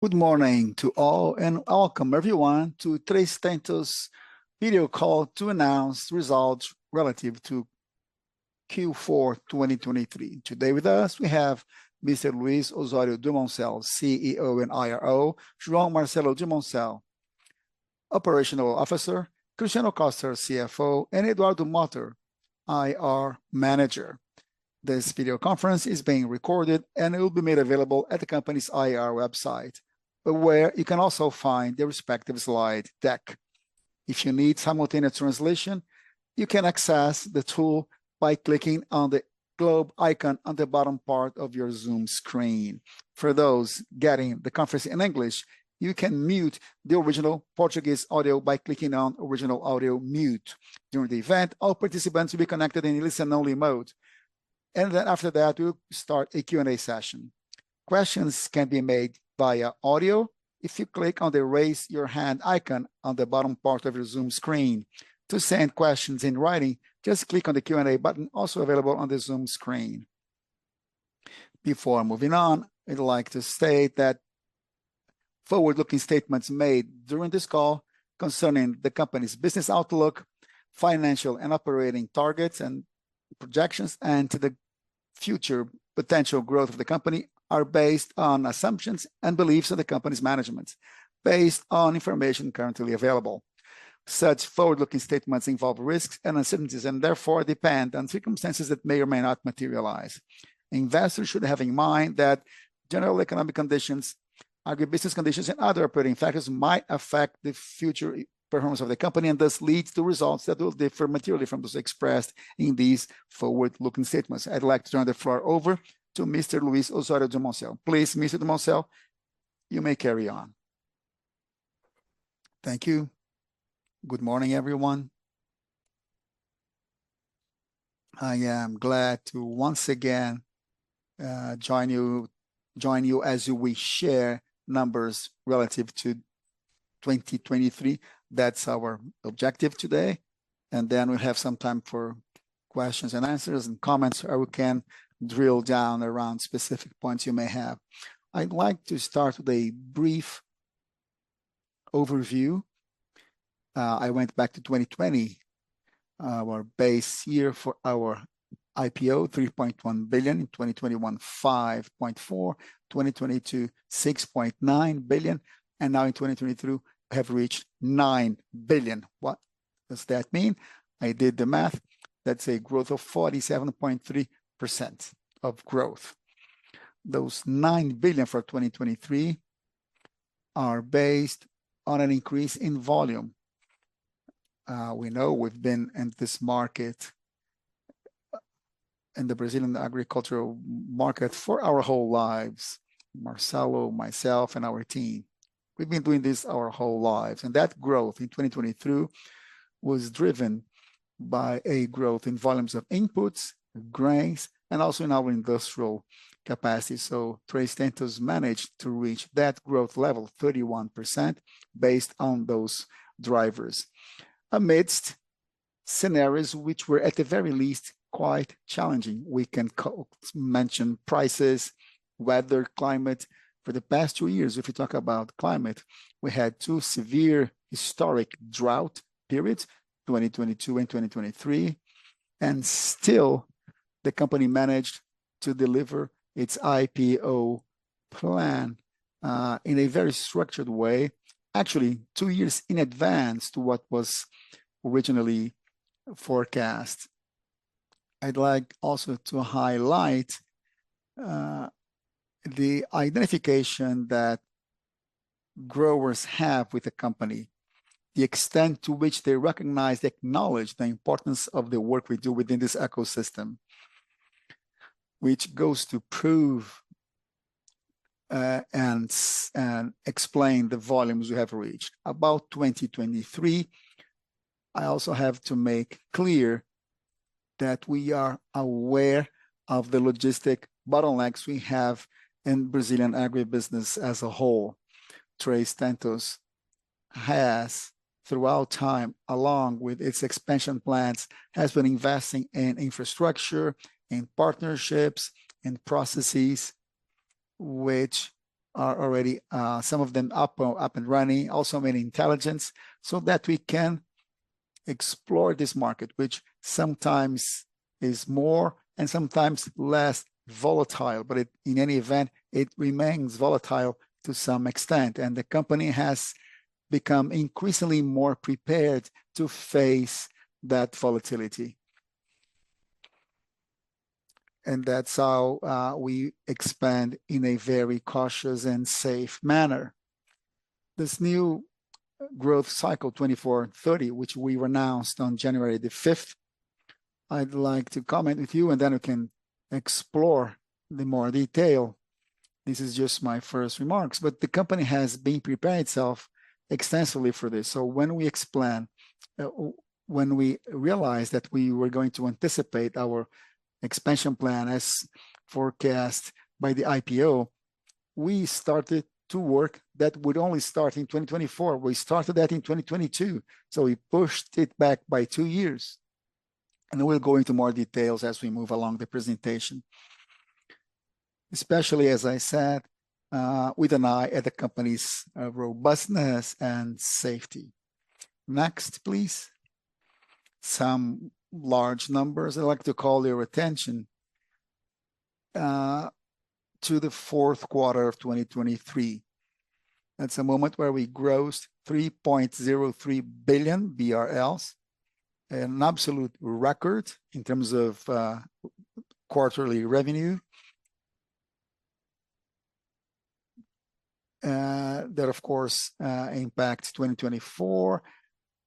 Good morning to all, and welcome everyone to Três Tentos Video Call to announce results relative to Q4 2023. Today with us we have Mr. Luiz Osório Dumoncel, CEO and IRO; João Marcelo Dumoncel, Operational Officer; Cristiano Machado Costa, CFO; and Eduardo Motta, IR Manager. This video conference is being recorded and it will be made available at the company's IR website, where you can also find the respective slide deck. If you need simultaneous translation, you can access the tool by clicking on the globe icon on the bottom part of your Zoom screen. For those getting the conference in English, you can mute the original Portuguese audio by clicking on "Original Audio Mute." During the event, all participants will be connected in listen-only mode, and then after that we'll start a Q&A session. Questions can be made via audio if you click on the "Raise Your Hand" icon on the bottom part of your Zoom screen. To send questions in writing, just click on the Q&A button also available on the Zoom screen. Before moving on, I'd like to state that forward-looking statements made during this call concerning the company's business outlook, financial and operating targets and projections, and the future potential growth of the company are based on assumptions and beliefs of the company's management, based on information currently available. Such forward-looking statements involve risks and uncertainties and therefore depend on circumstances that may or may not materialize. Investors should have in mind that general economic conditions, agribusiness conditions, and other operating factors might affect the future performance of the company, and this leads to results that will differ materially from those expressed in these forward-looking statements. I'd like to turn the floor over to Mr. Luiz Osório Dumoncel. Please, Mr. Dumoncel, you may carry on. Thank you. Good morning, everyone. I am glad to once again join you as we share numbers relative to 2023. That's our objective today. Then we'll have some time for questions and answers and comments, or we can drill down around specific points you may have. I'd like to start with a brief overview. I went back to 2020, our base year for our IPO, 3.1 billion; in 2021, 5.4 billion; 2022, 6.9 billion; and now in 2023, we have reached 9 billion. What does that mean? I did the math. That's a growth of 47.3% of growth. Those 9 billion for 2023 are based on an increase in volume. We know we've been in this market, in the Brazilian agricultural market, for our whole lives, Marcelo, myself, and our team. We've been doing this our whole lives, and that growth in 2023 was driven by a growth in volumes of inputs, grains, and also in our industrial capacity. So Três Tentos managed to reach that growth level, 31%, based on those drivers, amidst scenarios which were, at the very least, quite challenging. We can mention prices, weather, climate. For the past two years, if you talk about climate, we had two severe historic drought periods, 2022 and 2023, and still the company managed to deliver its IPO plan in a very structured way, actually two years in advance to what was originally forecast. I'd like also to highlight the identification that growers have with the company, the extent to which they recognize and acknowledge the importance of the work we do within this ecosystem, which goes to prove and explain the volumes we have reached. About 2023, I also have to make clear that we are aware of the logistic bottlenecks we have in Brazilian agribusiness as a whole. Três Tentos has, throughout time, along with its expansion plans, been investing in infrastructure, in partnerships, in processes which are already some of them up and running, also many intelligence, so that we can explore this market, which sometimes is more and sometimes less volatile, but in any event, it remains volatile to some extent, and the company has become increasingly more prepared to face that volatility. And that's how we expand in a very cautious and safe manner. This new growth cycle, 24-30, which we renounced on January 5th, I'd like to comment with you, and then we can explore in more detail. This is just my first remarks, but the company has been preparing itself extensively for this. So when we expand, when we realized that we were going to anticipate our expansion plan as forecast by the IPO, we started to work that would only start in 2024. We started that in 2022, so we pushed it back by two years. And we'll go into more details as we move along the presentation, especially, as I said, with an eye at the company's robustness and safety. Next, please. Some large numbers I'd like to call your attention to the fourth quarter of 2023. That's a moment where we grossed 3.03 billion BRL, an absolute record in terms of quarterly revenue that, of course, impacts 2024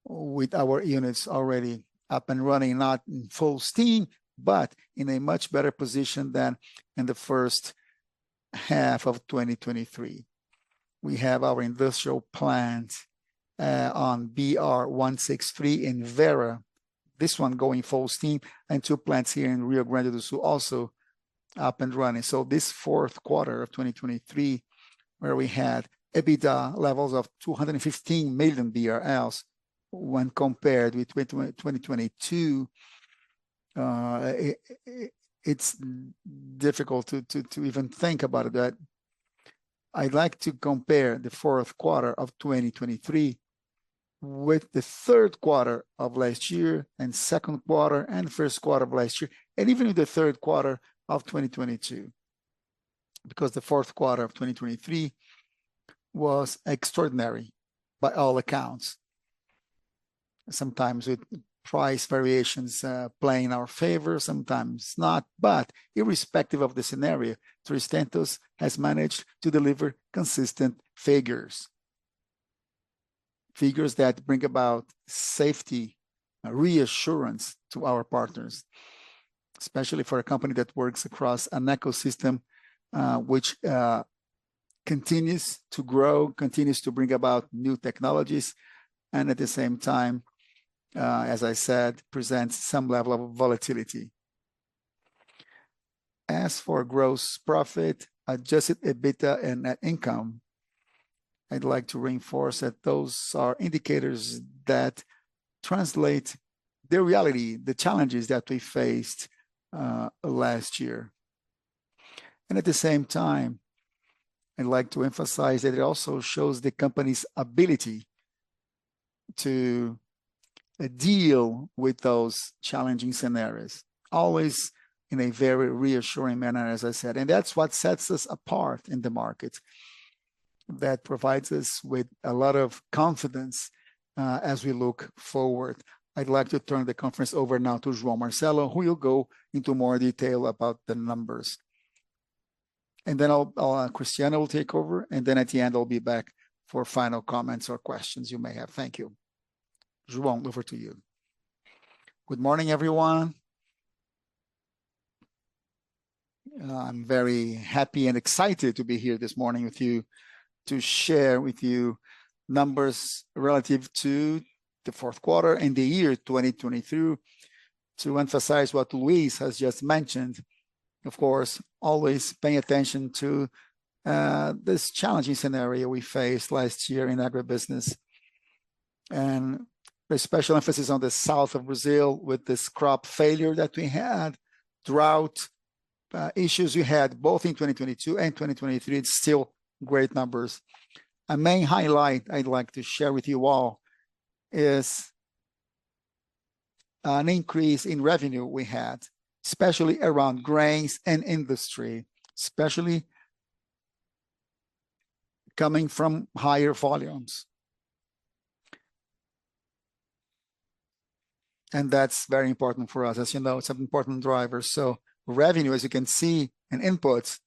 with our units already up and running, not in full steam, but in a much better position than in the first half of 2023. We have our industrial plants on BR-163 in Vera, this one going full steam, and two plants here in Rio Grande do Sul also up and running. So this fourth quarter of 2023, where we had EBITDA levels of 215 million BRL when compared with 2022, it's difficult to even think about that. I'd like to compare the fourth quarter of 2023 with the third quarter of last year and second quarter and first quarter of last year, and even with the third quarter of 2022, because the fourth quarter of 2023 was extraordinary by all accounts. Sometimes with price variations playing in our favor, sometimes not, but irrespective of the scenario, Três Tentos has managed to deliver consistent figures, figures that bring about safety reassurance to our partners, especially for a company that works across an ecosystem which continues to grow, continues to bring about new technologies, and at the same time, as I said, presents some level of volatility. As for gross profit, adjusted EBITDA, and net income, I'd like to reinforce that those are indicators that translate the reality, the challenges that we faced last year. At the same time, I'd like to emphasize that it also shows the company's ability to deal with those challenging scenarios, always in a very reassuring manner, as I said. That's what sets us apart in the market, that provides us with a lot of confidence as we look forward. I'd like to turn the conference over now to João Marcelo, who will go into more detail about the numbers. Then Cristiano will take over, and then at the end I'll be back for final comments or questions you may have. Thank you. João, over to you. Good morning, everyone. I'm very happy and excited to be here this morning with you to share with you numbers relative to the fourth quarter and the year 2023. To emphasize what Luiz has just mentioned, of course, always paying attention to this challenging scenario we faced last year in agribusiness, and a special emphasis on the south of Brazil with this crop failure that we had, drought issues we had both in 2022 and 2023, it's still great numbers. A main highlight I'd like to share with you all is an increase in revenue we had, especially around grains and industry, especially coming from higher volumes. That's very important for us. As you know, it's an important driver. Revenue, as you can see in inputs,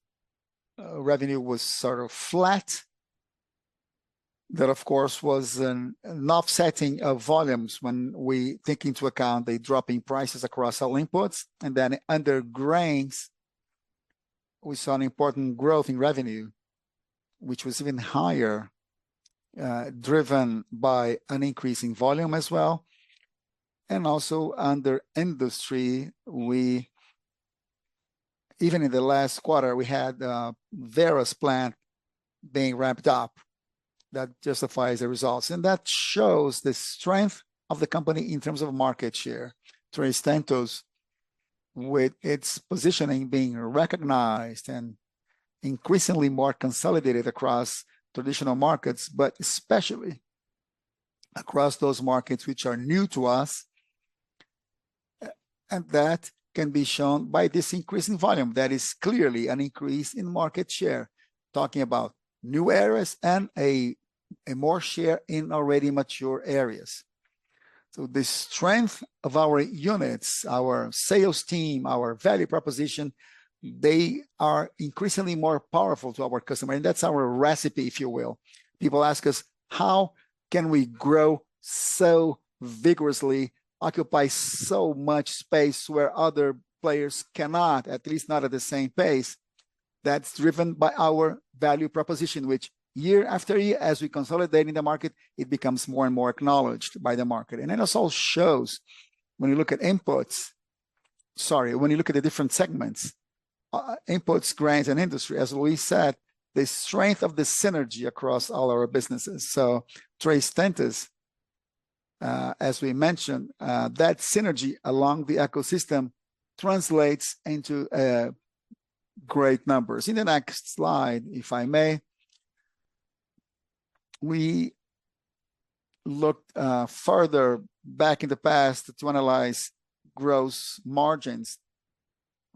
revenue was sort of flat. That, of course, was an offsetting of volumes when we took into account the dropping prices across all inputs. Then under grains, we saw an important growth in revenue, which was even higher, driven by an increase in volume as well. Also under industry, even in the last quarter, we had Vera's plant being ramped up that justifies the results. That shows the strength of the company in terms of market share. Três Tentos, with its positioning being recognized and increasingly more consolidated across traditional markets, but especially across those markets which are new to us, and that can be shown by this increase in volume. That is clearly an increase in market share, talking about new areas and a more share in already mature areas. So the strength of our units, our sales team, our value proposition, they are increasingly more powerful to our customer, and that's our recipe, if you will. People ask us, how can we grow so vigorously, occupy so much space where other players cannot, at least not at the same pace? That's driven by our value proposition, which year after year, as we consolidate in the market, it becomes more and more acknowledged by the market. Then it also shows, when you look at inputs, sorry, when you look at the different segments, inputs, grains, and industry, as Luiz said, the strength of the synergy across all our businesses. Três Tentos, as we mentioned, that synergy along the ecosystem translates into great numbers. In the next slide, if I may, we looked further back in the past to analyze gross margins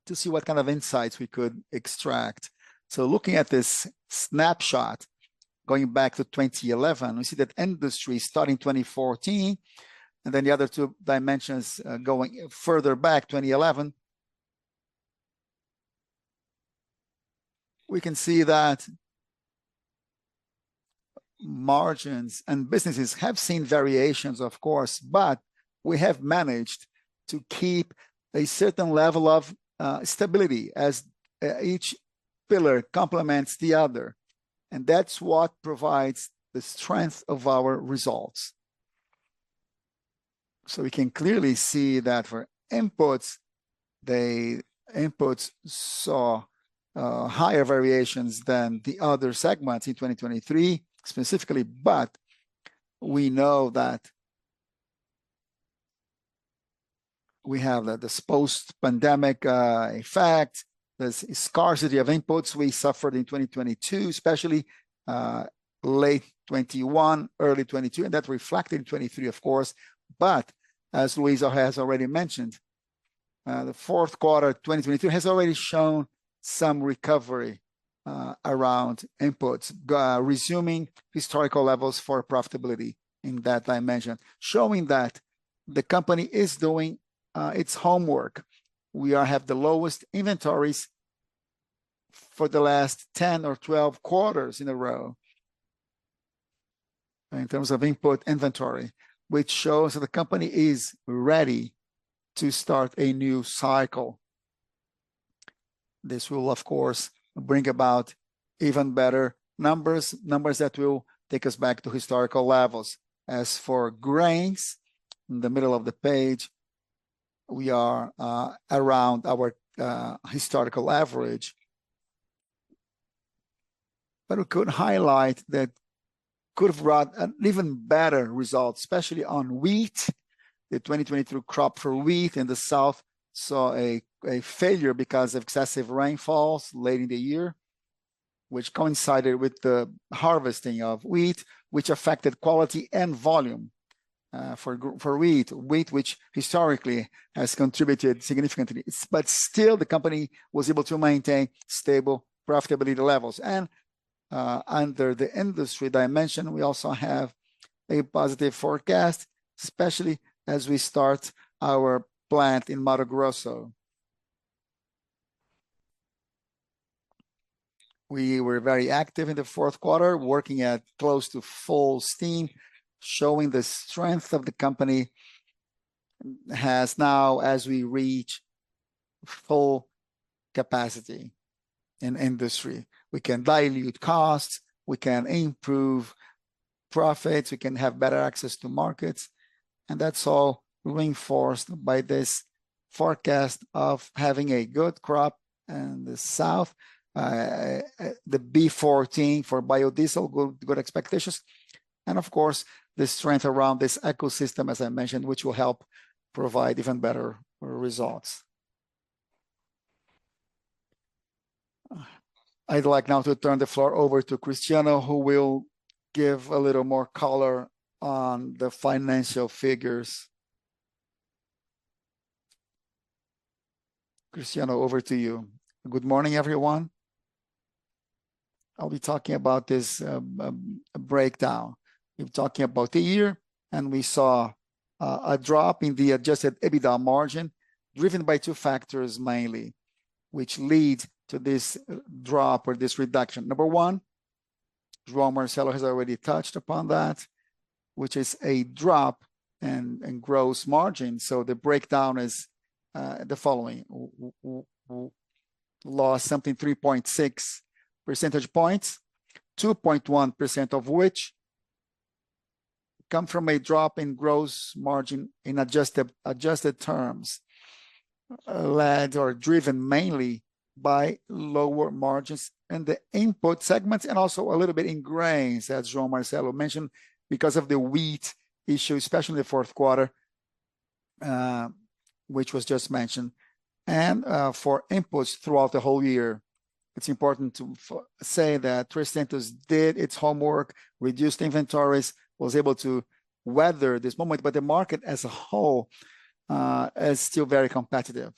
to see what kind of insights we could extract. Looking at this snapshot, going back to 2011, we see that industry starting 2014, and then the other two dimensions going further back, 2011, we can see that margins and businesses have seen variations, of course, but we have managed to keep a certain level of stability as each pillar complements the other. That's what provides the strength of our results. So we can clearly see that for inputs, the inputs saw higher variations than the other segments in 2023 specifically, but we know that we have this post-pandemic effect, this scarcity of inputs we suffered in 2022, especially late 2021, early 2022, and that reflected 2023, of course. But as Luiz has already mentioned, the fourth quarter of 2023 has already shown some recovery around inputs, resuming historical levels for profitability in that dimension, showing that the company is doing its homework. We have the lowest inventories for the last 10 or 12 quarters in a row in terms of input inventory, which shows that the company is ready to start a new cycle. This will, of course, bring about even better numbers, numbers that will take us back to historical levels. As for grains, in the middle of the page, we are around our historical average, but we could highlight that could have brought an even better result, especially on wheat. The 2023 crop for wheat in the south saw a failure because of excessive rainfalls late in the year, which coincided with the harvesting of wheat, which affected quality and volume for wheat, wheat which historically has contributed significantly. But still, the company was able to maintain stable profitability levels. Under the industry dimension, we also have a positive forecast, especially as we start our plant in Mato Grosso. We were very active in the fourth quarter, working at close to full steam, showing the strength of the company has now as we reach full capacity in industry. We can dilute costs, we can improve profits, we can have better access to markets, and that's all reinforced by this forecast of having a good crop in the south, the B14 for biodiesel, good expectations, and of course, the strength around this ecosystem, as I mentioned, which will help provide even better results. I'd like now to turn the floor over to Cristiano, who will give a little more color on the financial figures. Cristiano, over to you. Good morning, everyone. I'll be talking about this breakdown. We're talking about the year, and we saw a drop in the adjusted EBITDA margin driven by two factors mainly, which lead to this drop or this reduction. Number one, João Marcelo has already touched upon that, which is a drop in gross margin. The breakdown is the following: we lost something 3.6 percentage points, 2.1% of which come from a drop in gross margin in adjusted terms, led or driven mainly by lower margins in the input segments and also a little bit in grains, as João Marcelo mentioned, because of the wheat issue, especially the fourth quarter, which was just mentioned. For inputs throughout the whole year, it's important to say that Três Tentos did its homework, reduced inventories, was able to weather this moment, but the market as a whole is still very competitive.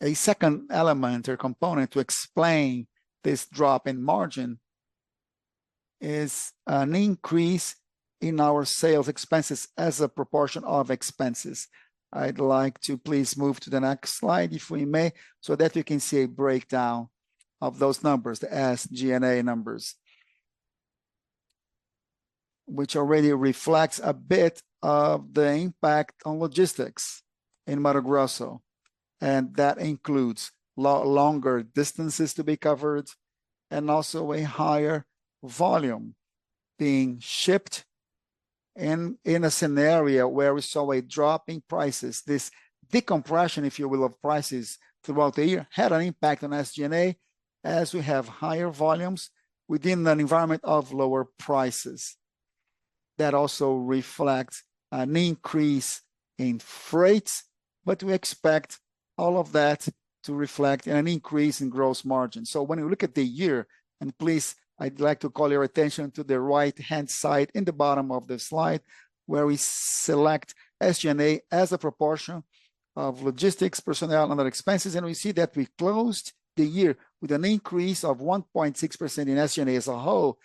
A second element or component to explain this drop in margin is an increase in our sales expenses as a proportion of expenses. I'd like to please move to the next slide, if we may, so that you can see a breakdown of those numbers, the SG&A numbers, which already reflects a bit of the impact on logistics in Mato Grosso. That includes longer distances to be covered and also a higher volume being shipped. In a scenario where we saw a drop in prices, this decompression, if you will, of prices throughout the year had an impact on SG&A as we have higher volumes within an environment of lower prices. That also reflects an increase in freights, but we expect all of that to reflect an increase in gross margin. So when you look at the year, and please I'd like to call your attention to the right-hand side in the bottom of the slide where we select SG&A as a proportion of logistics, personnel, and other expenses, and we see that we closed the year with an increase of 1.6% in SG&A as a whole,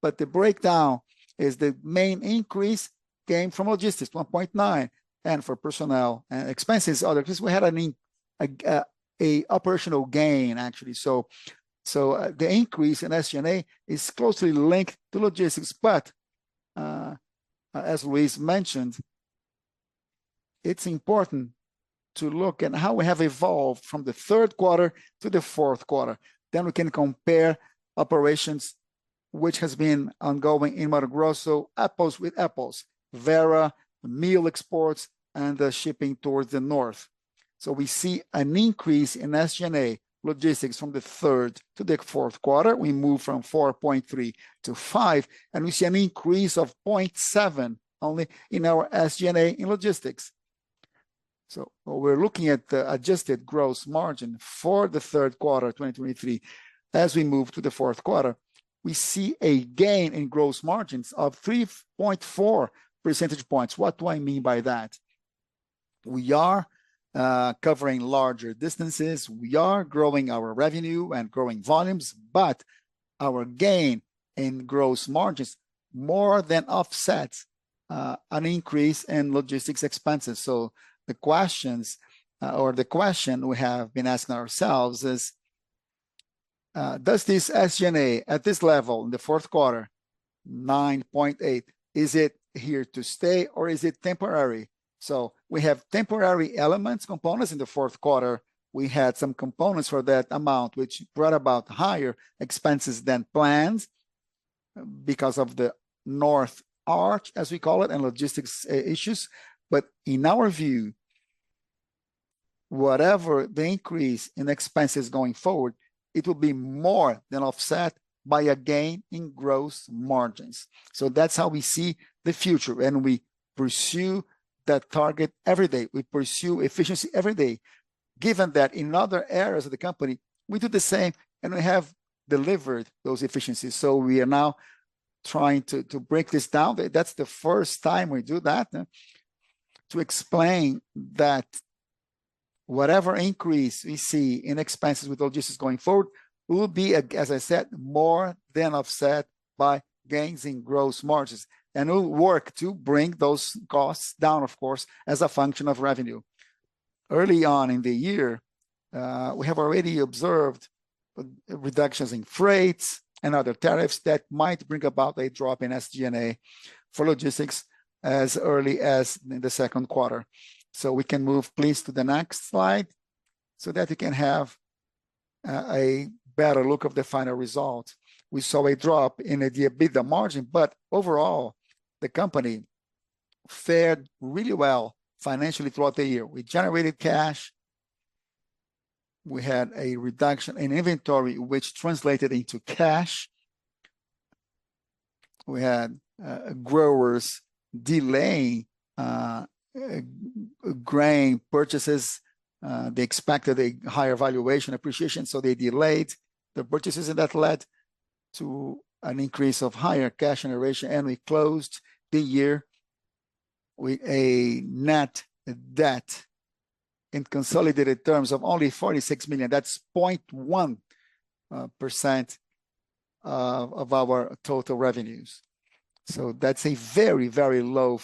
but the breakdown is the main increase came from logistics, 1.9%, and for personnel and other expenses because we had an operational gain, actually. So the increase in SG&A is closely linked to logistics, but as Luis mentioned, it's important to look at how we have evolved from the third quarter to the fourth quarter. Then we can compare operations which have been ongoing in Mato Grosso apples to apples, Vera, meal exports, and the shipping towards the north. So we see an increase in SG&A logistics from the third to the fourth quarter. We move from 4.3%-5%, and we see an increase of 0.7% only in our SG&A in logistics. So we're looking at the adjusted gross margin for the third quarter of 2023. As we move to the fourth quarter, we see a gain in gross margins of 3.4 percentage points. What do I mean by that? We are covering larger distances, we are growing our revenue and growing volumes, but our gain in gross margins more than offsets an increase in logistics expenses. So the questions, or the question we have been asking ourselves is, does this SG&A at this level in the fourth quarter, 9.8%, is it here to stay or is it temporary? So we have temporary elements, components in the fourth quarter. We had some components for that amount which brought about higher expenses than plans because of the Northern Arc, as we call it, and logistics issues. But in our view, whatever the increase in expenses going forward, it will be more than offset by a gain in gross margins. So that's how we see the future, and we pursue that target every day. We pursue efficiency every day, given that in other areas of the company we do the same and we have delivered those efficiencies. So we are now trying to break this down. That's the first time we do that, to explain that whatever increase we see in expenses with logistics going forward will be, as I said, more than offset by gains in gross margins. And we'll work to bring those costs down, of course, as a function of revenue. Early on in the year, we have already observed reductions in freights and other tariffs that might bring about a drop in SG&A for logistics as early as in the second quarter. We can move please to the next slide so that you can have a better look at the final result. We saw a drop in the EBITDA margin, but overall the company fared really well financially throughout the year. We generated cash, we had a reduction in inventory which translated into cash, we had growers delaying grain purchases. They expected a higher valuation appreciation, so they delayed the purchases, and that led to an increase of higher cash generation. We closed the year with a net debt in consolidated terms of only 46 million. That's 0.1% of our total revenues. So that's a very, very low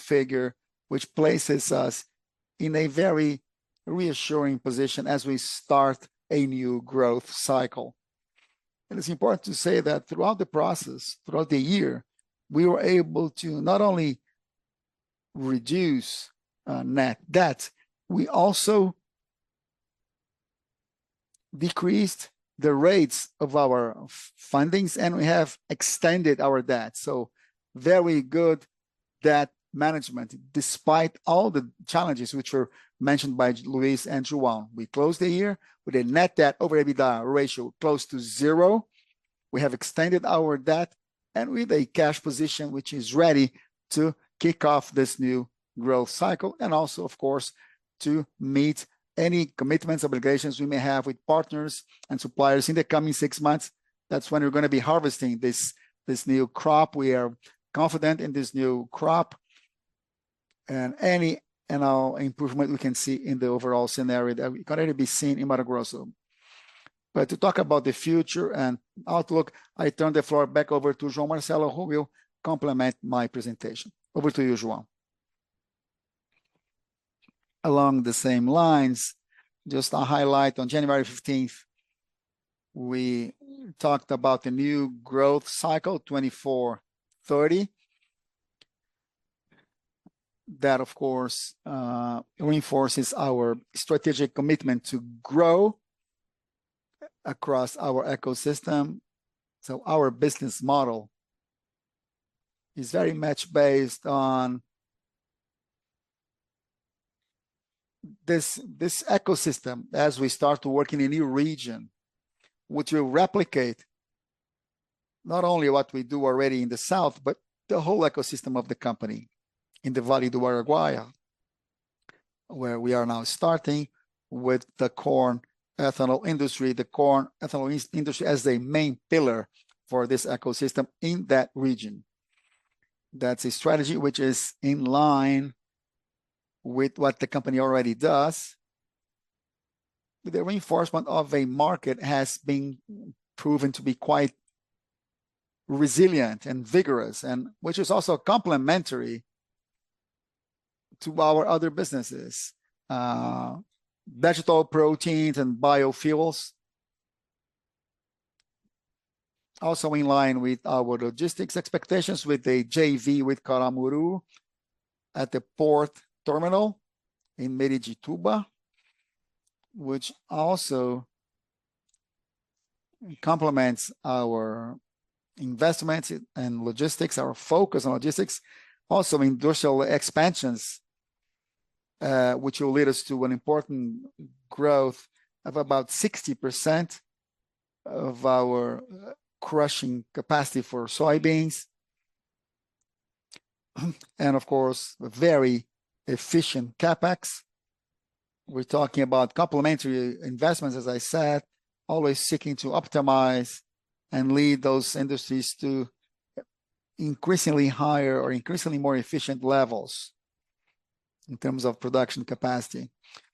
figure which places us in a very reassuring position as we start a new growth cycle. And it's important to say that throughout the process, throughout the year, we were able to not only reduce net debt, we also decreased the rates of our fundings, and we have extended our debt. So very good debt management despite all the challenges which were mentioned by Luiz and João. We closed the year with a net debt over EBITDA ratio close to zero. We have extended our debt, and we have a cash position which is ready to kick off this new growth cycle and also, of course, to meet any commitments, obligations we may have with partners and suppliers in the coming six months. That's when we're gonna be harvesting this new crop. We are confident in this new crop and any improvement we can see in the overall scenario that we can already be seeing in Mato Grosso. But to talk about the future and outlook, I turn the floor back over to João Marcelo, who will complement my presentation. Over to you, João. Along the same lines, just a highlight on January 15th, we talked about the new growth cycle 24-30 that, of course, reinforces our strategic commitment to grow across our ecosystem. So our business model is very much based on this ecosystem. As we start to work in a new region, which will replicate not only what we do already in the south, but the whole ecosystem of the company in the Vale do Uruguai where we are now starting with the corn ethanol industry, the corn ethanol industry as a main pillar for this ecosystem in that region. That's a strategy which is in line with what the company already does. The reinforcement of a market has been proven to be quite resilient and vigorous, and which is also complementary to our other businesses, vegetal proteins and biofuels, also in line with our logistics expectations with a JV with Caramuru at the port terminal in Miritituba, which also complements our investments and logistics, our focus on logistics, also industrial expansions, which will lead us to an important growth of about 60% of our crushing capacity for soybeans. And of course, very efficient CAPEX. We're talking about complementary investments, as I said, always seeking to optimize and lead those industries to increasingly higher or increasingly more efficient levels in terms of production capacity.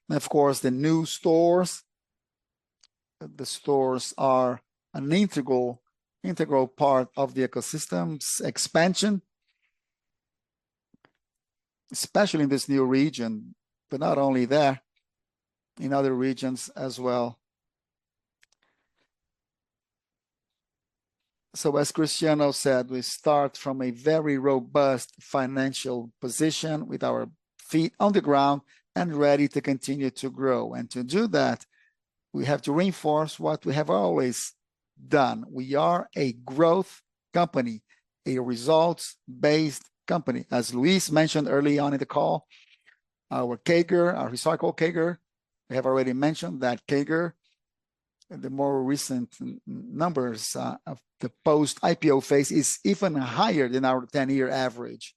Of course, the new stores, the stores are an integral part of the ecosystem's expansion, especially in this new region, but not only there, in other regions as well. As Cristiano said, we start from a very robust financial position with our feet on the ground and ready to continue to grow. And to do that, we have to reinforce what we have always done. We are a growth company, a results-based company. As Luis mentioned early on in the call, our CAGR, our cycle CAGR, I have already mentioned that CAGR, the more recent numbers of the post-IPO phase is even higher than our 10-year average.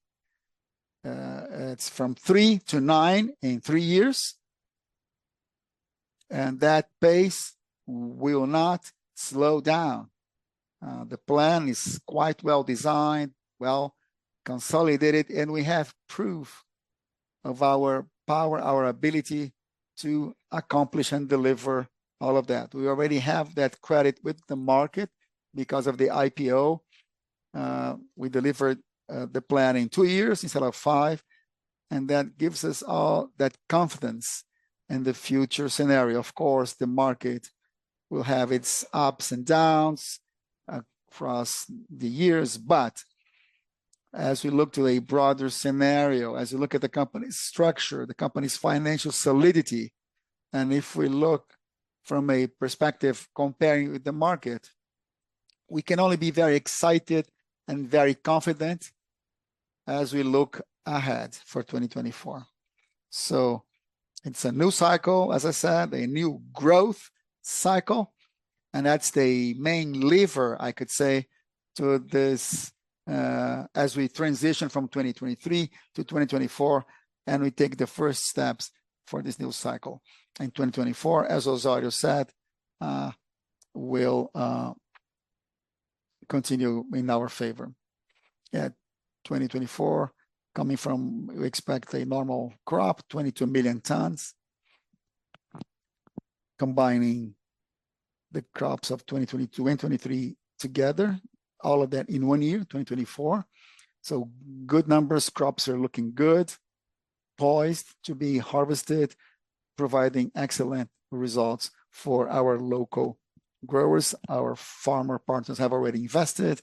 It's from three to nine in 3 years, and that pace will not slow down. The plan is quite well designed, well consolidated, and we have proof of our power, our ability to accomplish and deliver all of that. We already have that credit with the market because of the IPO. We delivered the plan in two years instead of five, and that gives us all that confidence in the future scenario. Of course, the market will have its ups and downs across the years, but as we look to a broader scenario, as we look at the company's structure, the company's financial solidity, and if we look from a perspective comparing with the market, we can only be very excited and very confident as we look ahead for 2024. So it's a new cycle, as I said, a new growth cycle, and that's the main lever, I could say, to this as we transition from 2023-2024 and we take the first steps for this new cycle. 2024, as Osório said, will continue in our favor. At 2024, coming from we expect a normal crop, 22 million tons, combining the crops of 2022 and 2023 together, all of that in one year, 2024. So good numbers, crops are looking good, poised to be harvested, providing excellent results for our local growers. Our farmer partners have already invested,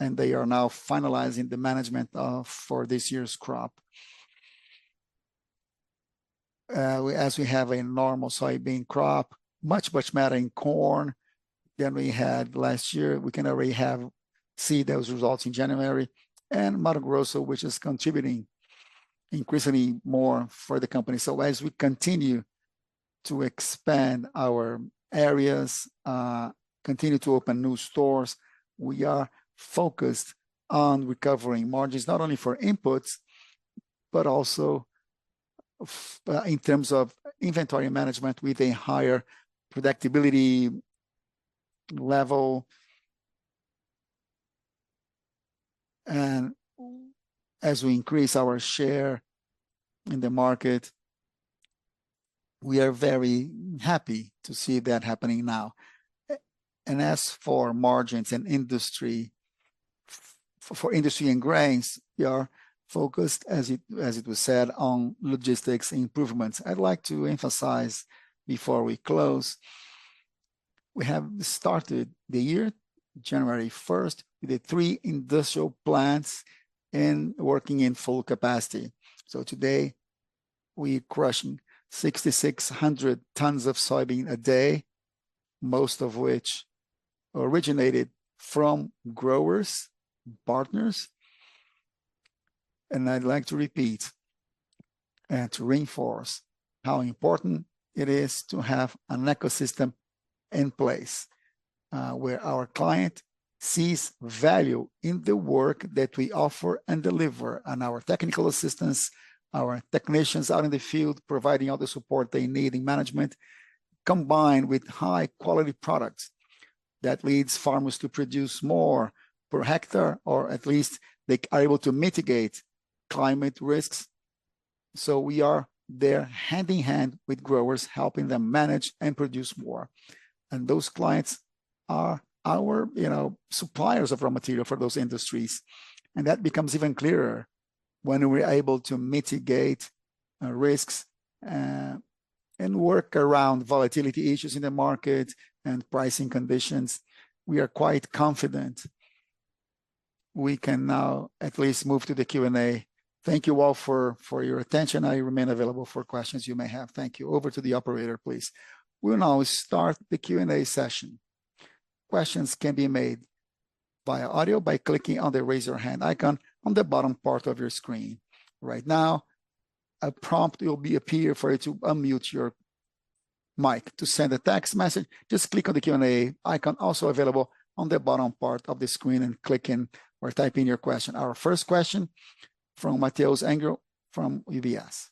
and they are now finalizing the management for this year's crop. As we have a normal soybean crop, much, much better in corn than we had last year, we can already see those results in January. And Mato Grosso, which is contributing increasingly more for the company. So as we continue to expand our areas, continue to open new stores, we are focused on recovering margins not only for inputs, but also in terms of inventory management with a higher productivity level. As we increase our share in the market, we are very happy to see that happening now. As for margins and industry, for industry and grains, we are focused, as it was said, on logistics improvements. I'd like to emphasize before we close, we have started the year, January 1st, with the three industrial plants and working in full capacity. Today we're crushing 6,600 tons of soybean a day, most of which originated from growers, partners. I'd like to repeat and to reinforce how important it is to have an ecosystem in place where our client sees value in the work that we offer and deliver, and our technical assistance, our technicians out in the field providing all the support they need in management, combined with high-quality products that lead farmers to produce more per hectare, or at least they are able to mitigate climate risks. We are there hand in hand with growers, helping them manage and produce more. Those clients are our, you know, suppliers of raw material for those industries. That becomes even clearer when we're able to mitigate risks and work around volatility issues in the market and pricing conditions. We are quite confident we can now at least move to the Q&A. Thank you all for your attention. I remain available for questions you may have. Thank you. Over to the operator, please. We will now start the Q&A session. Questions can be made via audio by clicking on the raise your hand icon on the bottom part of your screen. Right now, a prompt will appear for you to unmute your mic to send a text message. Just click on the Q&A icon, also available on the bottom part of the screen, and click in or type in your question. Our first question from Matheus Anger from UBS.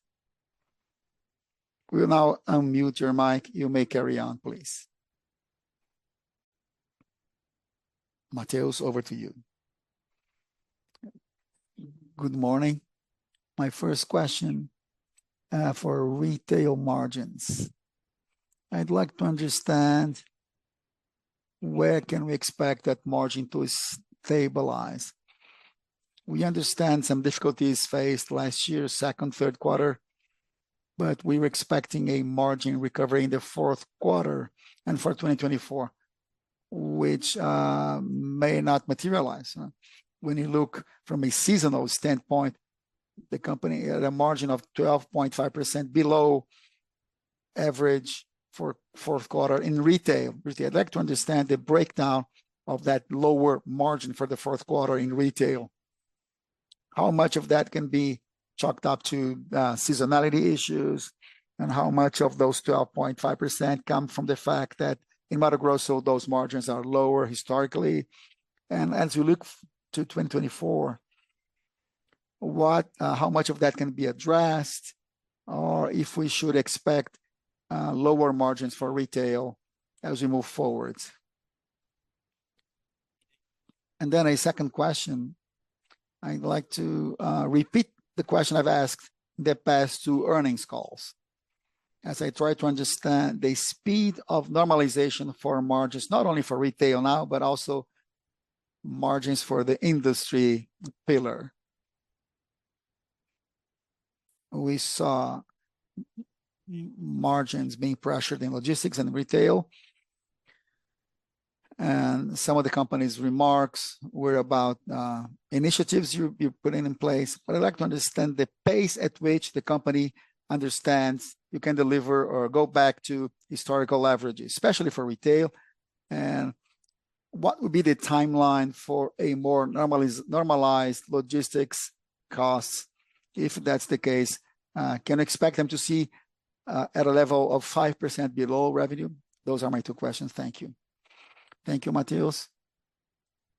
We will now unmute your mic. You may carry on, please. Matheus, over to you. Good morning. My first question for retail margins. I'd like to understand where can we expect that margin to stabilize. We understand some difficulties faced last year, second, third quarter, but we were expecting a margin recovery in the fourth quarter and for 2024, which may not materialize. When you look from a seasonal standpoint, the company had a margin of 12.5% below average for fourth quarter in retail. I'd like to understand the breakdown of that lower margin for the fourth quarter in retail. How much of that can be chalked up to seasonality issues, and how much of those 12.5% come from the fact that in Mato Grosso those margins are lower historically? And as we look to 2024, how much of that can be addressed, or if we should expect lower margins for retail as we move forward? And then a second question. I'd like to repeat the question I've asked in the past to earnings calls. As I try to understand the speed of normalization for margins, not only for retail now, but also margins for the industry pillar. We saw margins being pressured in logistics and retail, and some of the company's remarks were about initiatives you're putting in place. But I'd like to understand the pace at which the company understands you can deliver or go back to historical leverage, especially for retail, and what would be the timeline for a more normalized logistics cost, if that's the case. Can you expect them to see at a level of 5% below revenue? Those are my two questions. Thank you. Thank you, Matheus,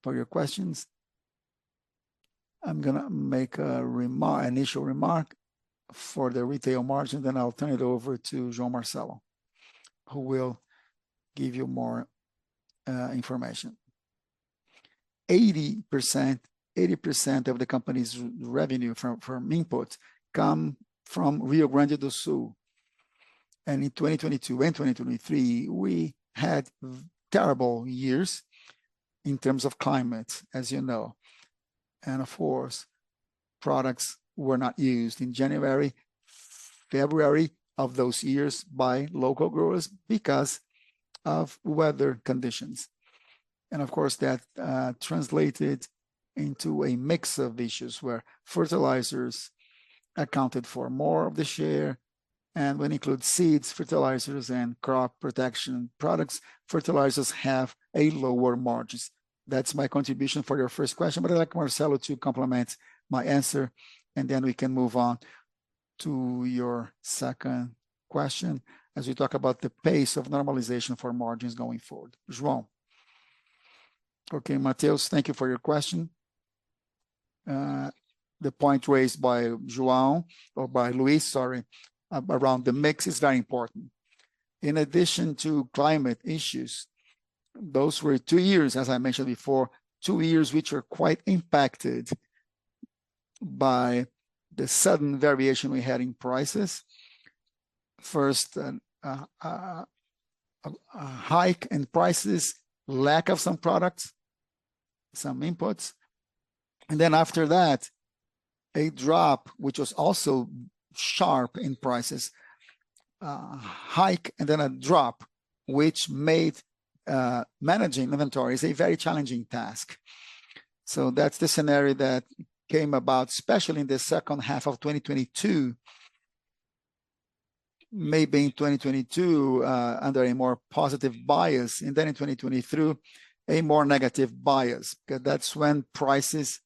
for your questions. I'm gonna make an initial remark for the retail margin, then I'll turn it over to João Marcelo, who will give you more information. 80%, 80% of the company's revenue from inputs come from Rio Grande do Sul. In 2022 and 2023, we had terrible years in terms of climate, as you know. Of course, products were not used in January, February of those years by local growers because of weather conditions. Of course, that translated into a mix of issues where fertilizers accounted for more of the share, and when you include seeds, fertilizers, and crop protection products, fertilizers have a lower margin. That's my contribution for your first question, but I'd like Marcelo to complement my answer, and then we can move on to your second question as we talk about the pace of normalization for margins going forward. João. Okay, Matheus, thank you for your question. The point raised by João, or by Luiz, sorry, around the mix is very important. In addition to climate issues, those were two years, as I mentioned before, two years which were quite impacted by the sudden variation we had in prices. First, a hike in prices, lack of some products, some inputs, and then after that, a drop which was also sharp in prices. A hike and then a drop which made managing inventories a very challenging task. So that's the scenario that came about, especially in the second half of 2022, maybe in 2022 under a more positive bias, and then in 2023, a more negative bias, 'cause that's when prices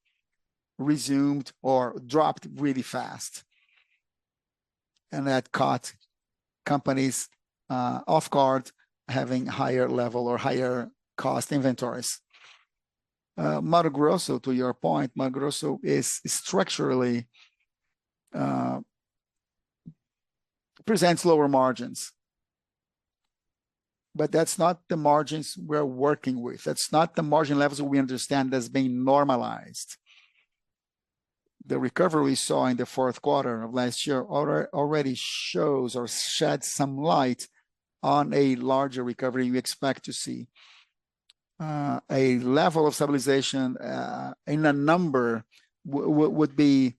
resumed or dropped really fast. That caught companies off guard having higher level or higher cost inventories. Mato Grosso, to your point, Mato Grosso is structurally presents lower margins. But that's not the margins we're working with. That's not the margin levels that we understand as being normalized. The recovery we saw in the fourth quarter of last year already shows or sheds some light on a larger recovery you expect to see. A level of stabilization in a number would be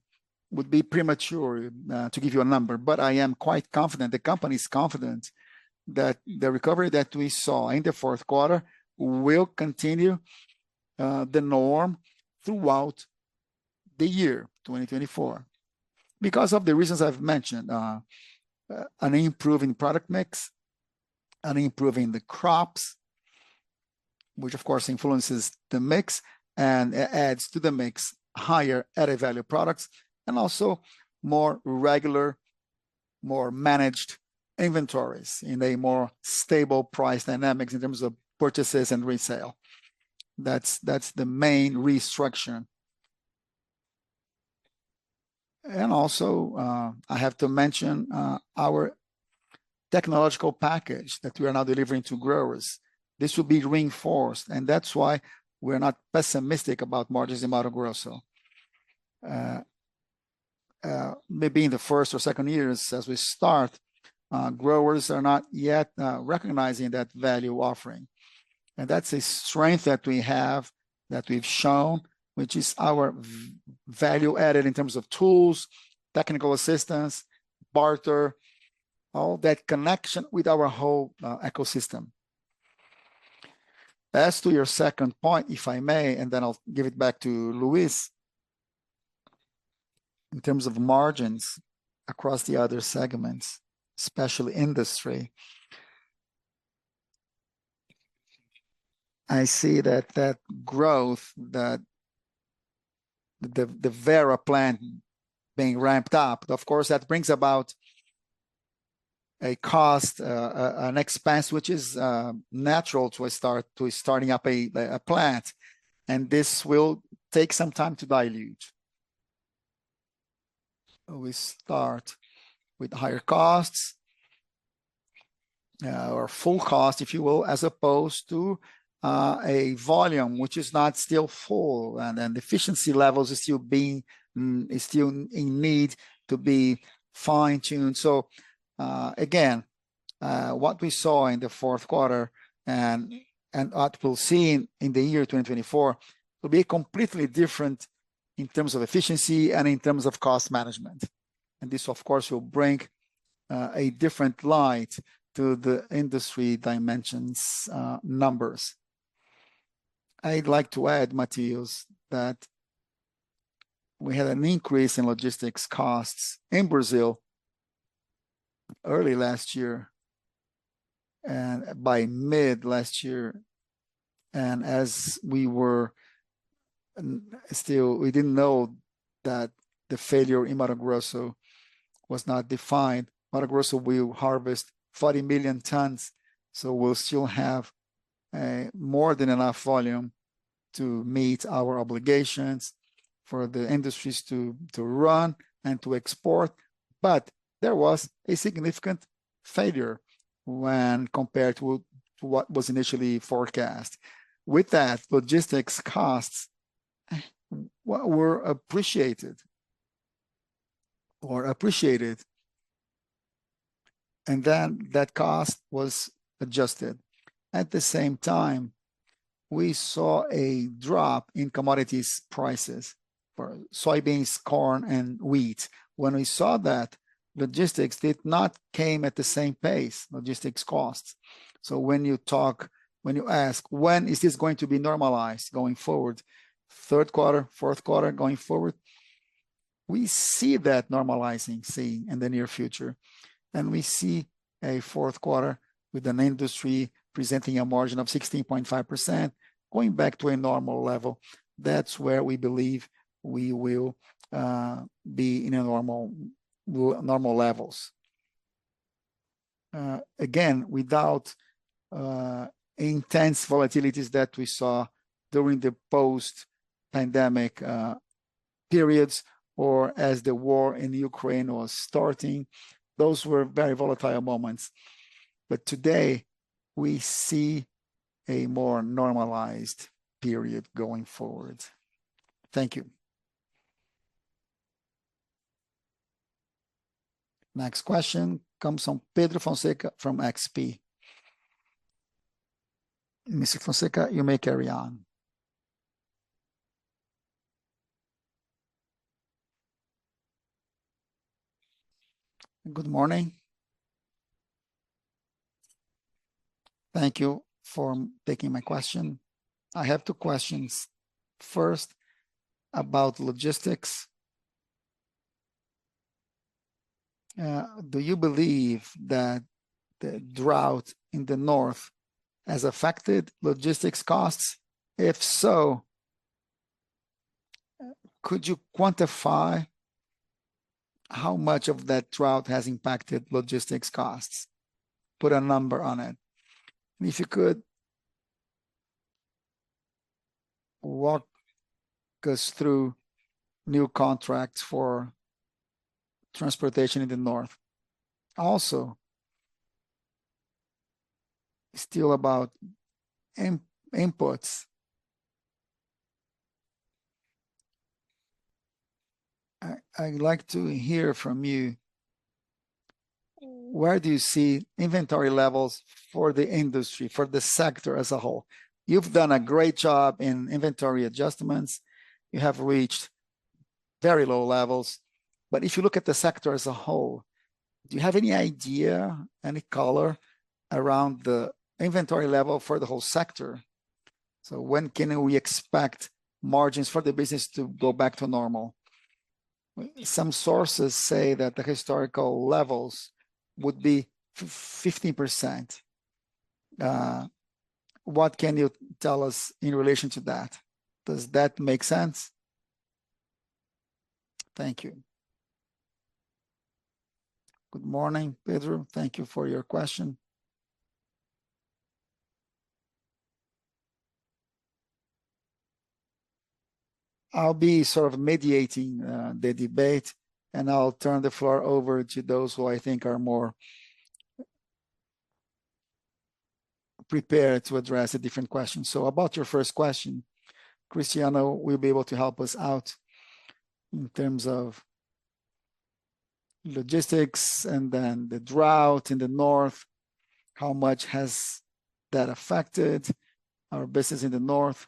premature to give you a number, but I am quite confident, the company's confident, that the recovery that we saw in the fourth quarter will continue the norm throughout the year, 2024. Because of the reasons I've mentioned, an improving product mix, an improving the crops, which of course influences the mix and adds to the mix higher added value products, and also more regular, more managed inventories in a more stable price dynamics in terms of purchases and resale. That's the main restructure. And also, I have to mention our technological package that we are now delivering to growers. This will be reinforced, and that's why we're not pessimistic about margins in Mato Grosso. Maybe in the first or second years, as we start, growers are not yet recognizing that value offering. That's a strength that we have that we've shown, which is our value added in terms of tools, technical assistance, barter, all that connection with our whole ecosystem. As to your second point, if I may, and then I'll give it back to Luiz, in terms of margins across the other segments, especially industry, I see that that growth, that the Vera plant being ramped up, of course that brings about a cost, an expense, which is natural to start to starting up a plant, and this will take some time to dilute. We start with higher costs, or full cost, if you will, as opposed to a volume which is not still full, and then efficiency levels are still being still in need to be fine-tuned. Again, what we saw in the fourth quarter and what we'll see in the year 2024 will be completely different in terms of efficiency and in terms of cost management. This of course will bring a different light to the industry dimensions numbers. I'd like to add, Matheus, that we had an increase in logistics costs in Brazil early last year and by mid last year, and as we were still, we didn't know that the failure in Mato Grosso was not defined. Mato Grosso will harvest 40 million tons, so we'll still have more than enough volume to meet our obligations for the industries to run and to export, but there was a significant failure when compared to what was initially forecast. With that, logistics costs were appreciated, or appreciated, and then that cost was adjusted. At the same time, we saw a drop in commodities prices for soybeans, corn, and wheat. When we saw that, logistics did not come at the same pace, logistics costs. So when you talk, when you ask, when is this going to be normalized going forward, third quarter, fourth quarter going forward, we see that normalizing seeing in the near future, and we see a fourth quarter with an industry presenting a margin of 16.5% going back to a normal level. That's where we believe we will be in a normal normal levels. Again, without intense volatilities that we saw during the post-pandemic periods or as the war in Ukraine was starting, those were very volatile moments. But today, we see a more normalized period going forward. Thank you. Next question comes from Pedro Fonseca from XP. Mr. Fonseca, you may carry on. Good morning. Thank you for taking my question. I have two questions. First, about logistics. Do you believe that the drought in the north has affected logistics costs? If so, could you quantify how much of that drought has impacted logistics costs? Put a number on it. And if you could walk us through new contracts for transportation in the north. Also, still about inputs. I'd like to hear from you. Where do you see inventory levels for the industry, for the sector as a whole? You've done a great job in inventory adjustments. You have reached very low levels, but if you look at the sector as a whole, do you have any idea, any color around the inventory level for the whole sector? So when can we expect margins for the business to go back to normal? Some sources say that the historical levels would be 15%. What can you tell us in relation to that? Does that make sense? Thank you. Good morning, Pedro. Thank you for your question. I'll be sort of mediating the debate, and I'll turn the floor over to those who I think are more prepared to address the different questions. So about your first question, Cristiano will be able to help us out in terms of logistics and then the drought in the north, how much has that affected our business in the north?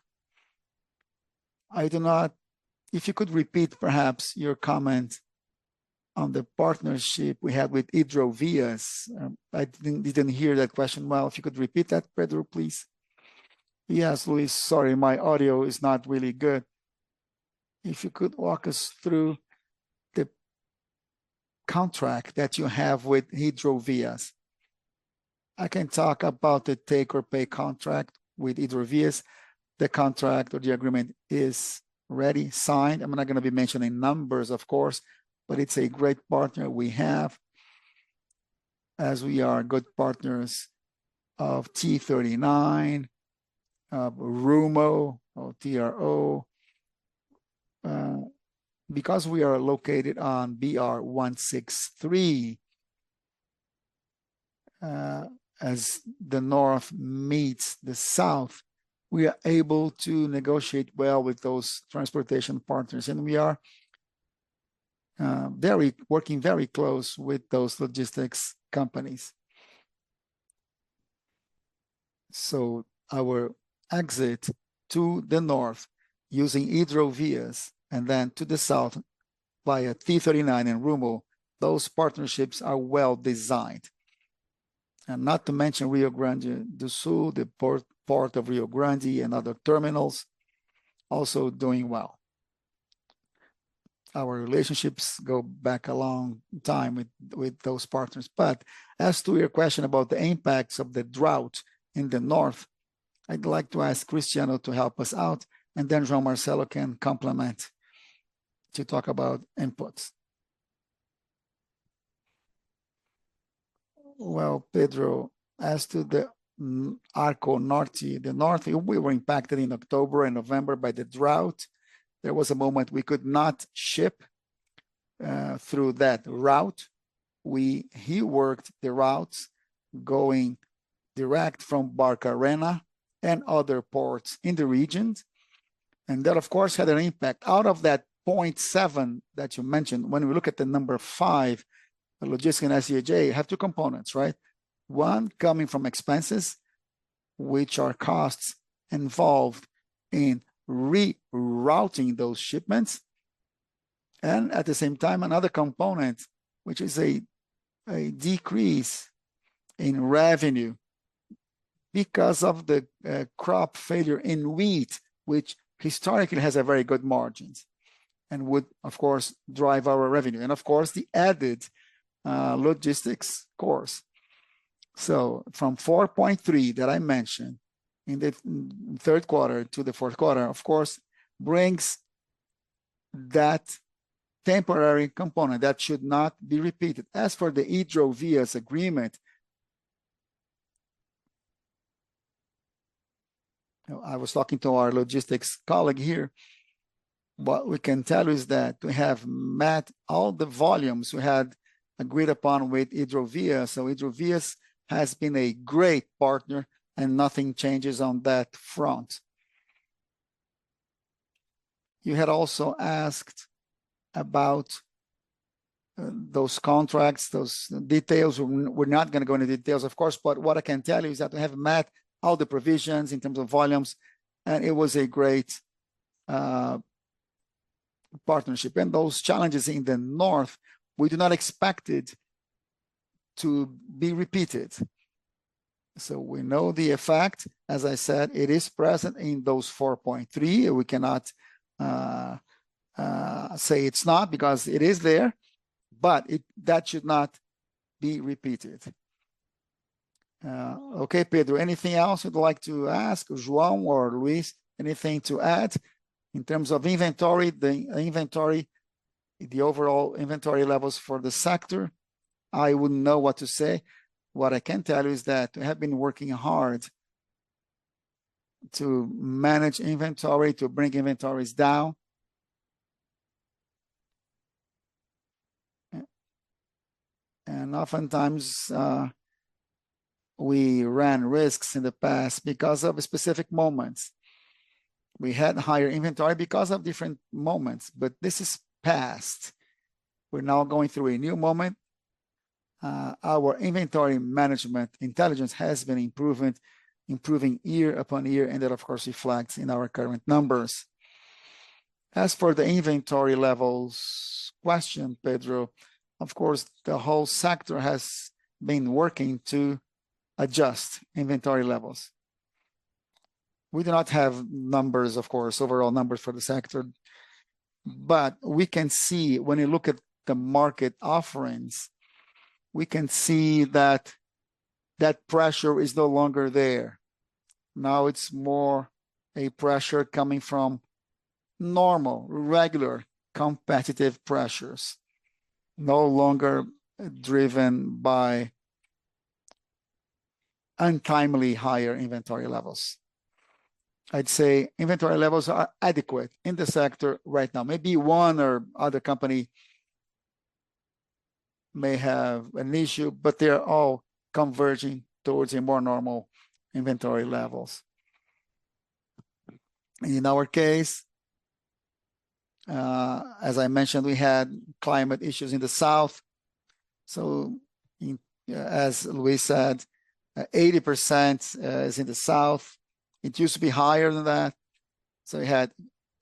I do not... If you could repeat perhaps your comment on the partnership we had with Hidrovias. I didn't hear that question well. If you could repeat that, Pedro, please. Yes, Luiz, sorry, my audio is not really good. If you could walk us through the contract that you have with Hidrovias. I can talk about the take-or-pay contract with Hidrovias. The contract or the agreement is ready, signed. I'm not gonna be mentioning numbers, of course, but it's a great partner we have, as we are good partners of T39, Rumo, or TRO. Because we are located on BR-163, as the north meets the south, we are able to negotiate well with those transportation partners, and we are working very close with those logistics companies. So our exit to the north using Hidrovias and then to the south via T39 and Rumo, those partnerships are well designed. And not to mention Rio Grande do Sul, the port of Rio Grande and other terminals also doing well. Our relationships go back a long time with those partners, but as to your question about the impacts of the drought in the north, I'd like to ask Cristiano to help us out, and then João Marcelo can complement to talk about inputs. Well, Pedro, as to the Arco Norte, the north, we were impacted in October and November by the drought. There was a moment we could not ship through that route. We worked the routes going direct from Barcarena and other ports in the region, and that of course had an impact. Out of that 0.7 that you mentioned, when we look at the number five, logistics and SG&A have two components, right? One coming from expenses, which are costs involved in rerouting those shipments, and at the same time another component, which is a decrease in revenue because of the crop failure in wheat, which historically has very good margins and would of course drive our revenue, and of course the added logistics costs. So from 4.3 that I mentioned in the third quarter to the fourth quarter, of course, brings that temporary component that should not be repeated. As for the Hidrovias agreement, I was talking to our logistics colleague here. What we can tell you is that we have met all the volumes we had agreed upon with Hidrovias, so Hidrovias has been a great partner, and nothing changes on that front. You had also asked about those contracts, those details. We're not gonna go into details, of course, but what I can tell you is that we have met all the provisions in terms of volumes, and it was a great partnership. Those challenges in the north, we do not expected to be repeated. We know the effect, as I said, it is present in those 4.3. We cannot say it's not because it is there, but that should not be repeated. Okay, Pedro, anything else you'd like to ask, João or Luiz, anything to add? In terms of inventory, the inventory, the overall inventory levels for the sector, I wouldn't know what to say. What I can tell you is that we have been working hard to manage inventory, to bring inventories down, and oftentimes we ran risks in the past because of specific moments. We had higher inventory because of different moments, but this is past. We're now going through a new moment. Our inventory management intelligence has been improving, improving year upon year, and that of course reflects in our current numbers. As for the inventory levels question, Pedro, of course the whole sector has been working to adjust inventory levels. We do not have numbers, of course, overall numbers for the sector, but we can see when you look at the market offerings, we can see that that pressure is no longer there. Now it's more a pressure coming from normal, regular, competitive pressures, no longer driven by untimely higher inventory levels. I'd say inventory levels are adequate in the sector right now. Maybe one or other company may have an issue, but they're all converging towards a more normal inventory levels. In our case, as I mentioned, we had climate issues in the south. So as Luiz said, 80% is in the south. It used to be higher than that. So we had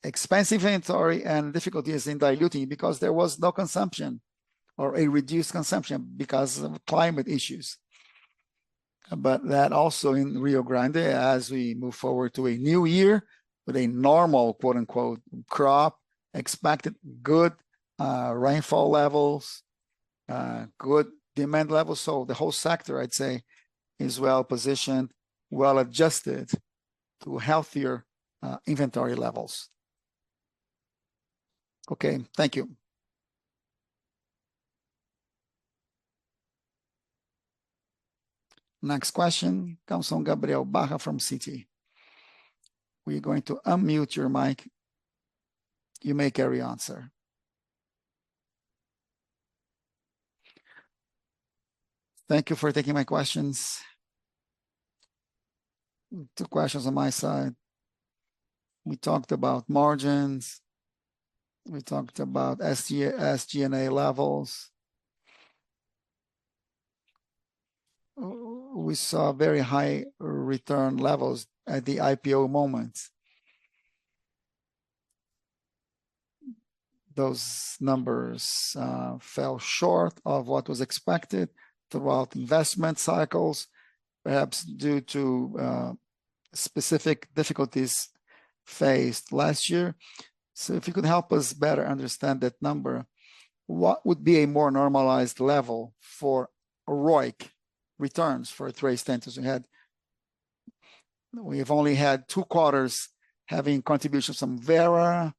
expensive inventory and difficulties in diluting because there was no consumption or a reduced consumption because of climate issues. But that also in Rio Grande, as we move forward to a new year with a normal, quote unquote, crop, expected good rainfall levels, good demand levels, so the whole sector I'd say is well positioned, well adjusted to healthier inventory levels. Okay, thank you. Next question comes from Gabriel Barra from Citi. We're going to unmute your mic. You may carry on, sir. Thank you for taking my questions. Two questions on my side. We talked about margins. We talked about SG&A levels. We saw very high return levels at the IPO moment. Those numbers fell short of what was expected throughout investment cycles, perhaps due to specific difficulties faced last year. So if you could help us better understand that number, what would be a more normalized level for ROIC returns for Três Tentos? We've only had two quarters having contributions from Vera.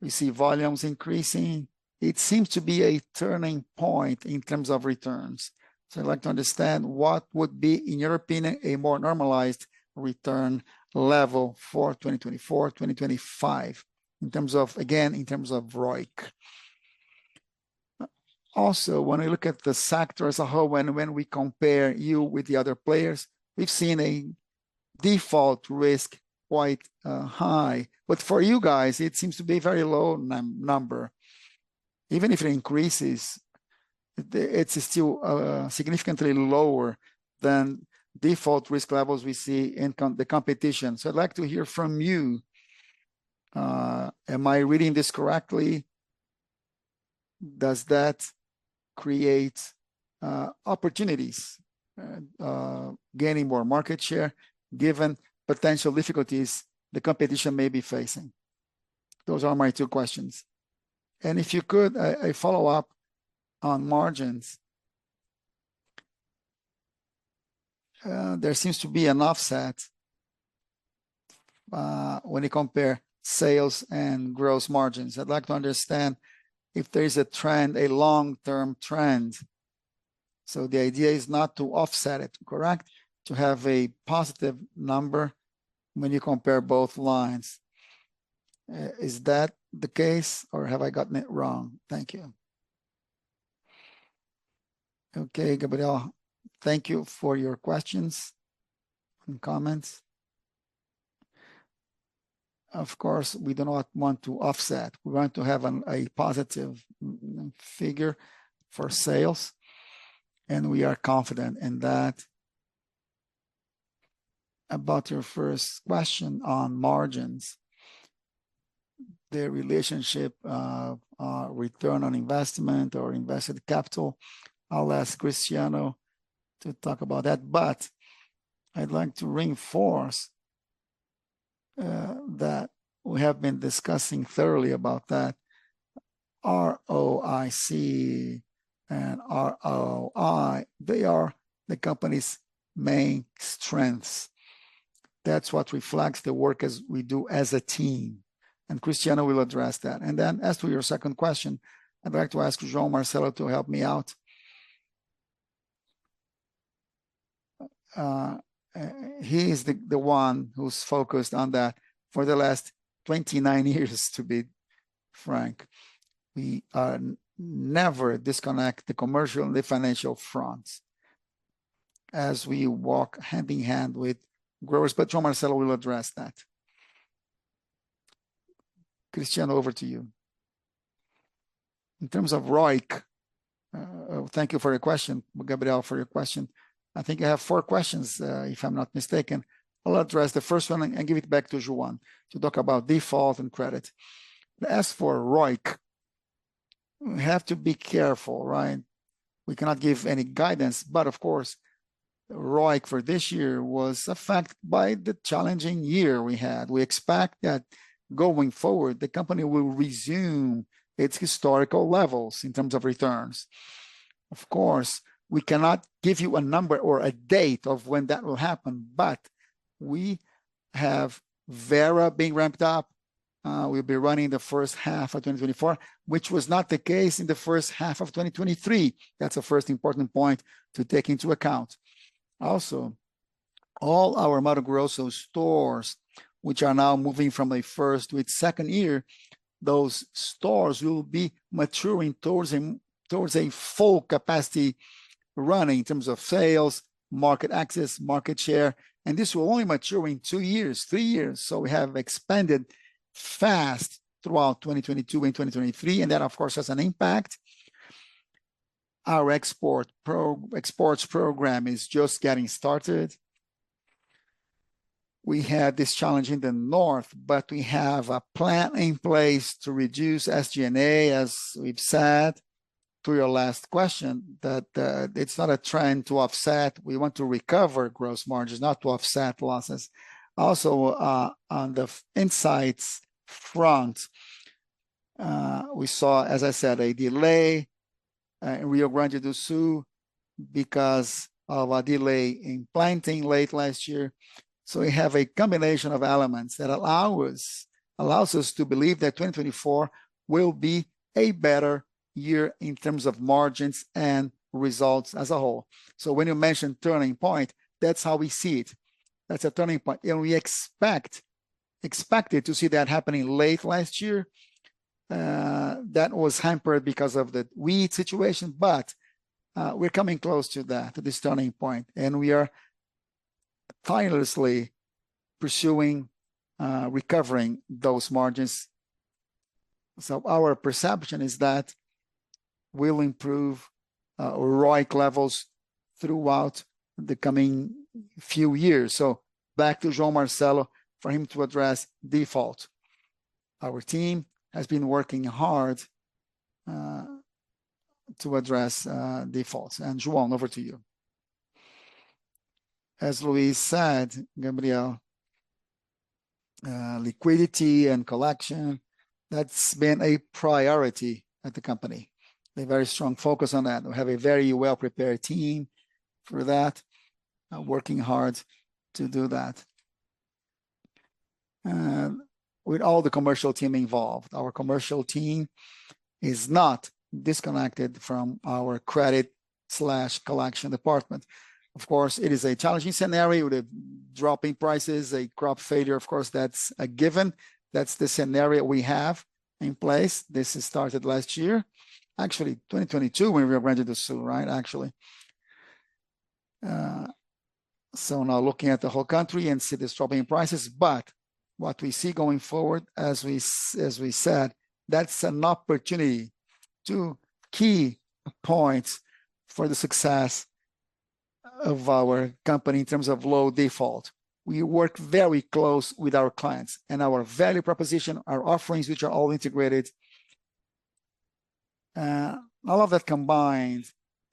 We see volumes increasing. It seems to be a turning point in terms of returns. So I'd like to understand what would be, in your opinion, a more normalized return level for 2024, 2025, in terms of, again, in terms of ROIC. Also, when we look at the sector as a whole, when we compare you with the other players, we've seen a default risk quite high, but for you guys, it seems to be a very low number. Even if it increases, it's still significantly lower than default risk levels we see in the competition. So I'd like to hear from you. Am I reading this correctly? Does that create opportunities gaining more market share given potential difficulties the competition may be facing? Those are my two questions. And if you could, a follow-up on margins. There seems to be an offset when you compare sales and gross margins. I'd like to understand if there is a trend, a long-term trend. So the idea is not to offset it, correct? To have a positive number when you compare both lines. Is that the case, or have I gotten it wrong? Thank you. Okay, Gabriel, thank you for your questions and comments. Of course, we do not want to offset. We want to have a positive figure for sales, and we are confident in that. About your first question on margins, their relationship, return on investment or invested capital, I'll ask Cristiano to talk about that, but I'd like to reinforce that we have been discussing thoroughly about that. ROIC and ROI, they are the company's main strengths. That's what reflects the work we do as a team, and Cristiano will address that. And then as to your second question, I'd like to ask João Marcelo to help me out. He is the one who's focused on that for the last 29 years, to be frank. We never disconnect the commercial and the financial fronts as we walk hand in hand with growers, but João Marcelo will address that. Cristiano, over to you. In terms of ROIC, thank you for your question, Gabriel, for your question. I think you have 4 questions, if I'm not mistaken. I'll address the first one and give it back to João to talk about default and credit. As for ROIC, we have to be careful, right? We cannot give any guidance, but of course ROIC for this year was affected by the challenging year we had. We expect that going forward the company will resume its historical levels in terms of returns. Of course, we cannot give you a number or a date of when that will happen, but we have Vera being ramped up. We'll be running the first half of 2024, which was not the case in the first half of 2023. That's the first important point to take into account. Also, all our Mato Grosso stores, which are now moving from a first to its second year, those stores will be maturing towards a full capacity running in terms of sales, market access, market share, and this will only mature in 2 years, 3 years. So we have expanded fast throughout 2022 and 2023, and that of course has an impact. Our export program is just getting started. We had this challenge in the north, but we have a plan in place to reduce SG&A, as we've said to your last question, that it's not a trend to offset. We want to recover gross margins, not to offset losses. Also, on the inputs front, we saw, as I said, a delay in Rio Grande do Sul because of a delay in planting late last year. So we have a combination of elements that allows us to believe that 2024 will be a better year in terms of margins and results as a whole. So when you mentioned turning point, that's how we see it. That's a turning point, and we expected to see that happening late last year. That was hampered because of the wheat situation, but we're coming close to that, to this turning point, and we are tirelessly pursuing, recovering those margins. So our perception is that we'll improve ROIC levels throughout the coming few years. So back to João Marcelo for him to address default. Our team has been working hard to address defaults, and João, over to you. As Luiz said, Gabriel, liquidity and collection, that's been a priority at the company. They have a very strong focus on that. We have a very well-prepared team for that, working hard to do that. With all the commercial team involved, our commercial team is not disconnected from our credit/collection department. Of course, it is a challenging scenario with dropping prices, a crop failure. Of course, that's a given. That's the scenario we have in place. This started last year, actually 2022, when Rio Grande do Sul, right, actually. So now looking at the whole country and see this dropping in prices, but what we see going forward, as we said, that's an opportunity, two key points for the success of our company in terms of low default. We work very close with our clients, and our value proposition, our offerings, which are all integrated, all of that combined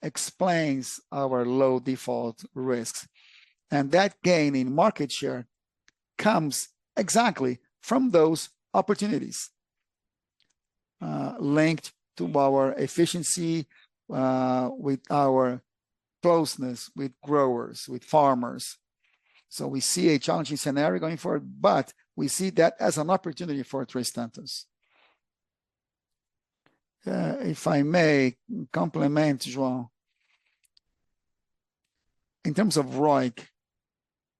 explains our low default risks. That gain in market share comes exactly from those opportunities linked to our efficiency with our closeness with growers, with farmers. So we see a challenging scenario going forward, but we see that as an opportunity for Três Tentos. If I may complement João, in terms of ROIC,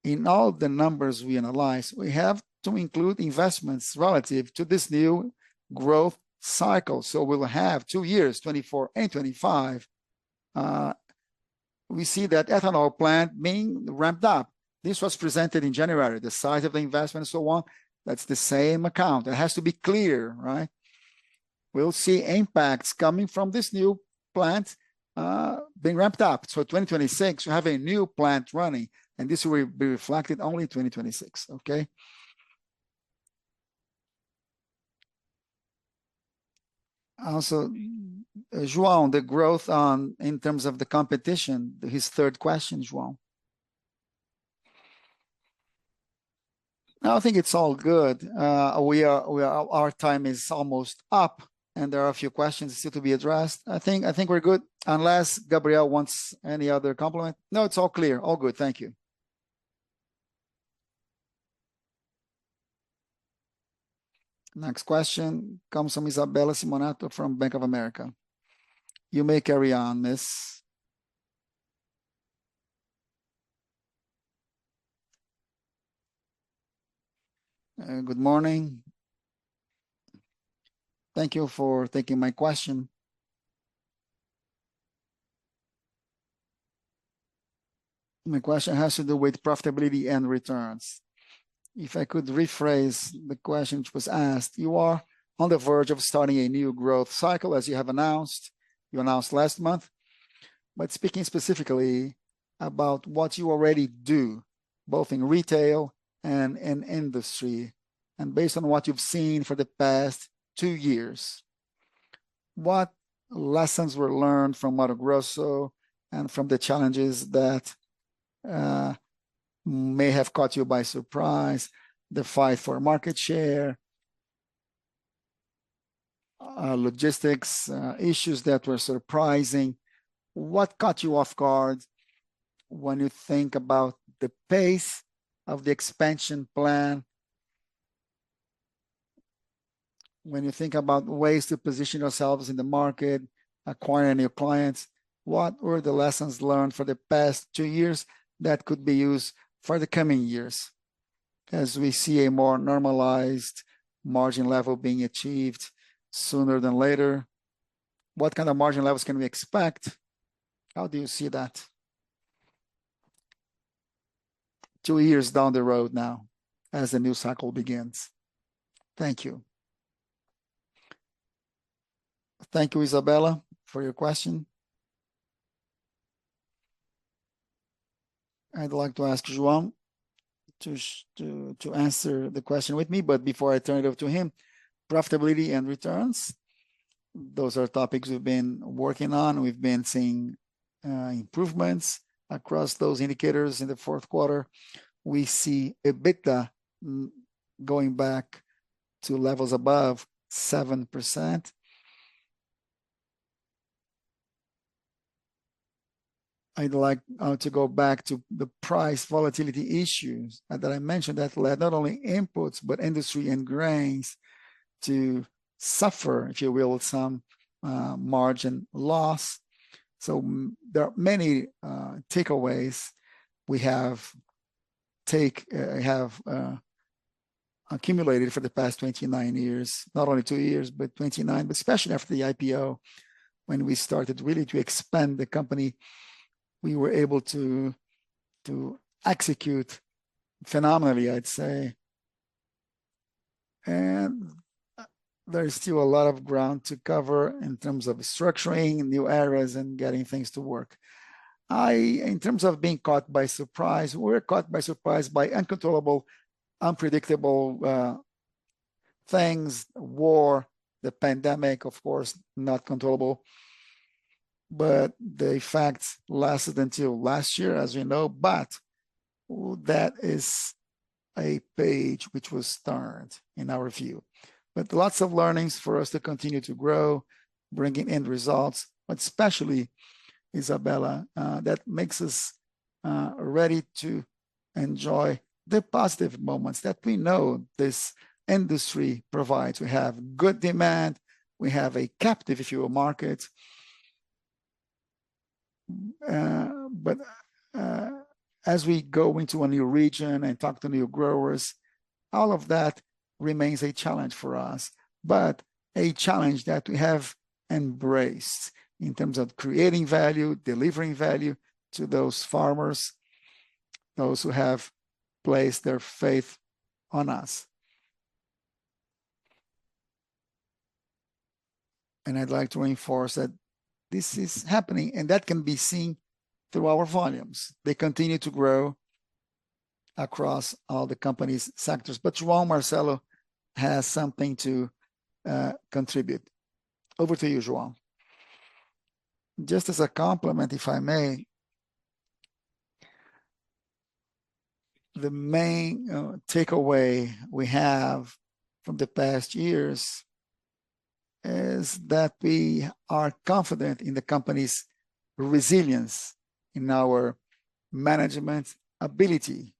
in all the numbers we analyze, we have to include investments relative to this new growth cycle. So we'll have two years, 2024 and 2025. We see that ethanol plant being ramped up. This was presented in January, the size of the investment and so on. That's the same account. It has to be clear, right? We'll see impacts coming from this new plant being ramped up. So 2026, we have a new plant running, and this will be reflected only in 2026, okay? Also, João, the growth in terms of the competition, his third question, João. I think it's all good. We are, our time is almost up, and there are a few questions still to be addressed. I think, I think we're good unless Gabriel wants any other comment. No, it's all clear. All good, thank you. Next question comes from Isabella Simonato from Bank of America. You may carry on, Miss. Good morning. Thank you for taking my question. My question has to do with profitability and returns. If I could rephrase the question which was asked, you are on the verge of starting a new growth cycle, as you have announced. You announced last month. Speaking specifically about what you already do, both in retail and in industry, and based on what you've seen for the past two years, what lessons were learned from Mato Grosso and from the challenges that may have caught you by surprise, the fight for market share, logistics issues that were surprising? What caught you off guard when you think about the pace of the expansion plan? When you think about ways to position yourselves in the market, acquire new clients, what were the lessons learned for the past two years that could be used for the coming years as we see a more normalized margin level being achieved sooner than later? What kind of margin levels can we expect? How do you see that two years down the road now as the new cycle begins? Thank you. Thank you, Isabella, for your question. I'd like to ask João to answer the question with me, but before I turn it over to him, profitability and returns, those are topics we've been working on. We've been seeing improvements across those indicators. In the fourth quarter, we see EBITDA going back to levels above 7%. I'd like to go back to the price volatility issues that I mentioned that led not only inputs but industry and grains to suffer, if you will, some margin loss. So there are many takeaways we have accumulated for the past 29 years, not only two years, but 29, but especially after the IPO, when we started really to expand the company, we were able to execute phenomenally, I'd say. And there's still a lot of ground to cover in terms of structuring new areas and getting things to work. In terms of being caught by surprise, we were caught by surprise by uncontrollable, unpredictable things: war, the pandemic, of course, not controllable. But the facts lasted until last year, as we know, but that is a page which was turned in our view. Lots of learnings for us to continue to grow, bringing in results, but especially, Isabella, that makes us ready to enjoy the positive moments that we know this industry provides. We have good demand. We have a captive, if you will, market. As we go into a new region and talk to new growers, all of that remains a challenge for us, but a challenge that we have embraced in terms of creating value, delivering value to those farmers, those who have placed their faith on us. And I'd like to reinforce that this is happening, and that can be seen through our volumes. They continue to grow across all the company's sectors, but João Marcelo has something to contribute. Over to you, João. Just as a compliment, if I may, the main takeaway we have from the past years is that we are confident in the company's resilience in our management ability.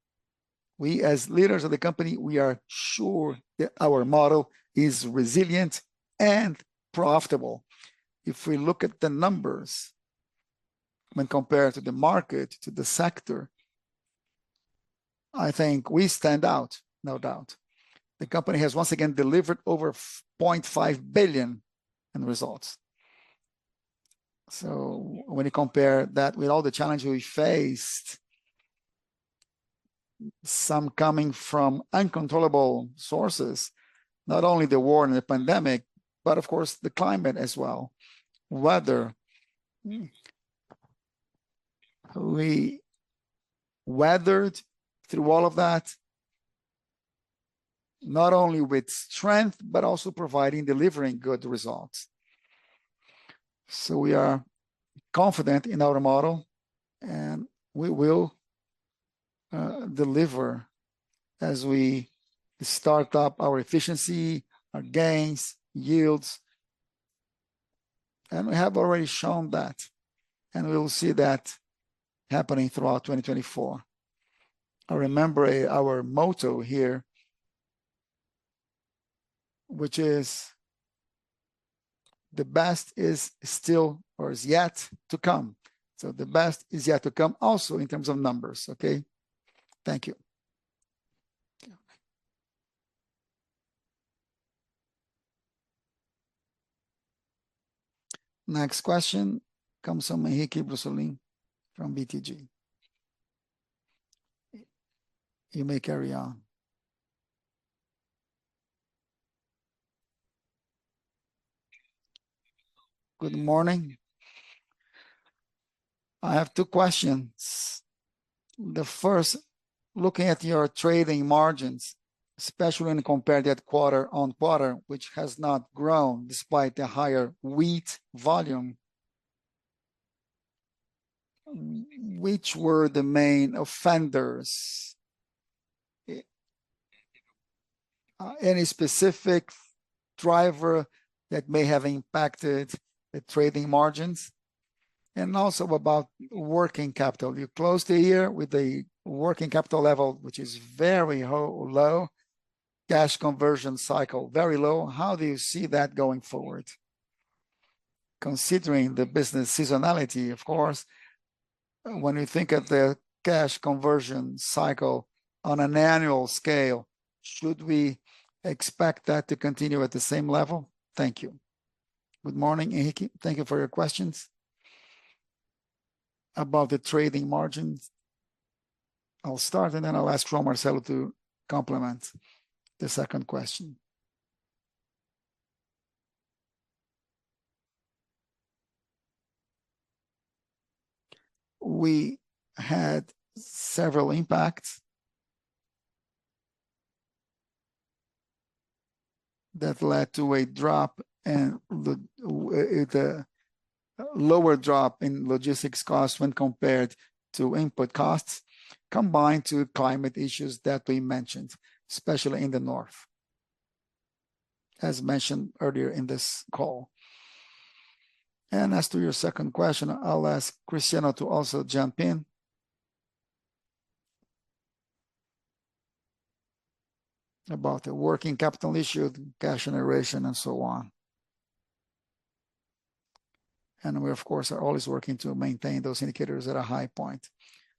We, as leaders of the company, we are sure that our model is resilient and profitable. If we look at the numbers when compared to the market, to the sector, I think we stand out, no doubt. The company has once again delivered over 0.5 billion in results. So when you compare that with all the challenges we faced, some coming from uncontrollable sources, not only the war and the pandemic, but of course the climate as well, weather, we weathered through all of that, not only with strength but also providing, delivering good results. So we are confident in our model, and we will deliver as we start up our efficiency, our gains, yields. And we have already shown that, and we'll see that happening throughout 2024. I remember our motto here, which is, "The best is still or is yet to come." So the best is yet to come also in terms of numbers, okay? Thank you. Next question comes from Henrique Brustolin from BTG. You may carry on. Good morning. I have two questions. The first, looking at your trading margins, especially when compared that quarter-over-quarter, which has not grown despite the higher wheat volume, which were the main offenders? Any specific driver that may have impacted the trading margins? And also about working capital. You closed the year with a working capital level, which is very low, cash conversion cycle very low. How do you see that going forward? Considering the business seasonality, of course, when you think of the cash conversion cycle on an annual scale, should we expect that to continue at the same level? Thank you. Good morning, Henrique. Thank you for your questions about the trading margins. I'll start, and then I'll ask João Marcelo to complement the second question. We had several impacts that led to a drop and a lower drop in logistics costs when compared to input costs, combined to climate issues that we mentioned, especially in the north, as mentioned earlier in this call. And as to your second question, I'll ask Cristiano to also jump in about the working capital issue, cash generation, and so on. And we, of course, are always working to maintain those indicators at a high point.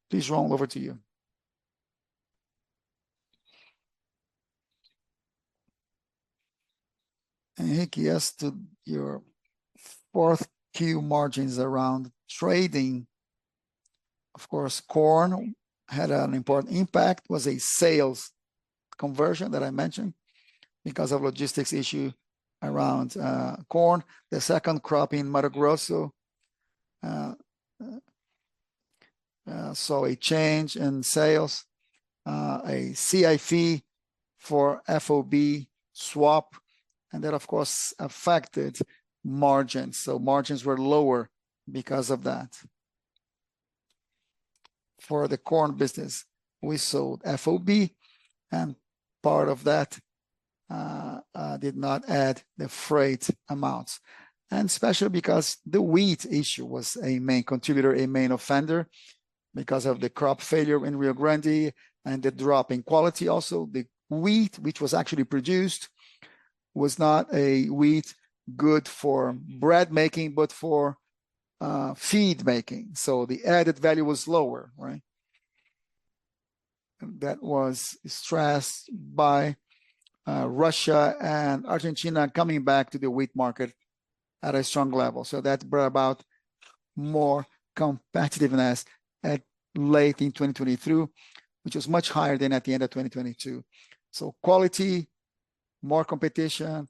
Please, João, over to you. Henrique, as to your fourth Q margins around trading, of course, corn had an important impact, was a sales conversion that I mentioned because of logistics issue around corn. The second crop in Mato Grosso saw a change in sales, a CIF for FOB swap, and that, of course, affected margins. So margins were lower because of that. For the corn business, we sold FOB, and part of that did not add the freight amounts. And especially because the wheat issue was a main contributor, a main offender, because of the crop failure in Rio Grande and the drop in quality also. The wheat, which was actually produced, was not a wheat good for bread making but for feed making. So the added value was lower, right? That was stressed by Russia and Argentina coming back to the wheat market at a strong level. So that brought about more competitiveness late in 2023, which was much higher than at the end of 2022. So quality, more competition,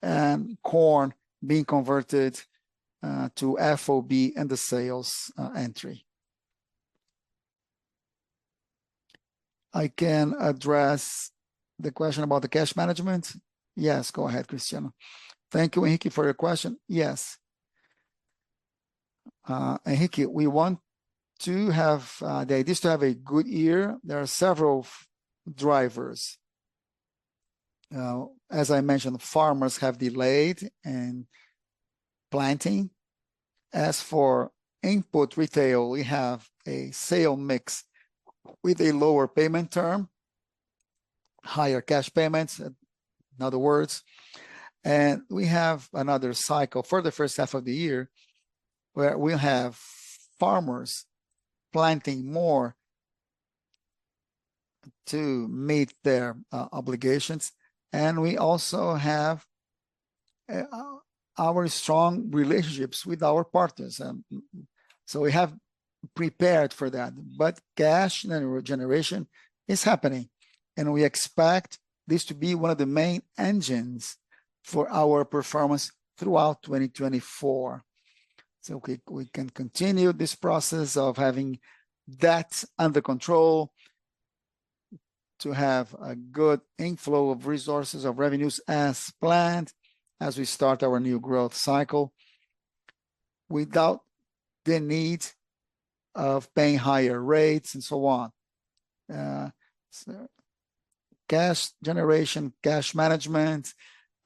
and corn being converted to FOB and the sales entry. I can address the question about the cash management. Yes, go ahead, Cristiano. Thank you, Henrique, for your question. Yes. Henrique, we want to have the idea is to have a good year. There are several drivers. As I mentioned, farmers have delayed in planting. As for input retail, we have a sales mix with a lower payment term, higher cash payments, in other words. And we have another cycle for the first half of the year where we have farmers planting more to meet their obligations, and we also have our strong relationships with our partners. And so we have prepared for that, but cash generation is happening, and we expect this to be one of the main engines for our performance throughout 2024. So we can continue this process of having debts under control, to have a good inflow of resources, of revenues as planned as we start our new growth cycle without the need of paying higher rates and so on. Cash generation, cash management,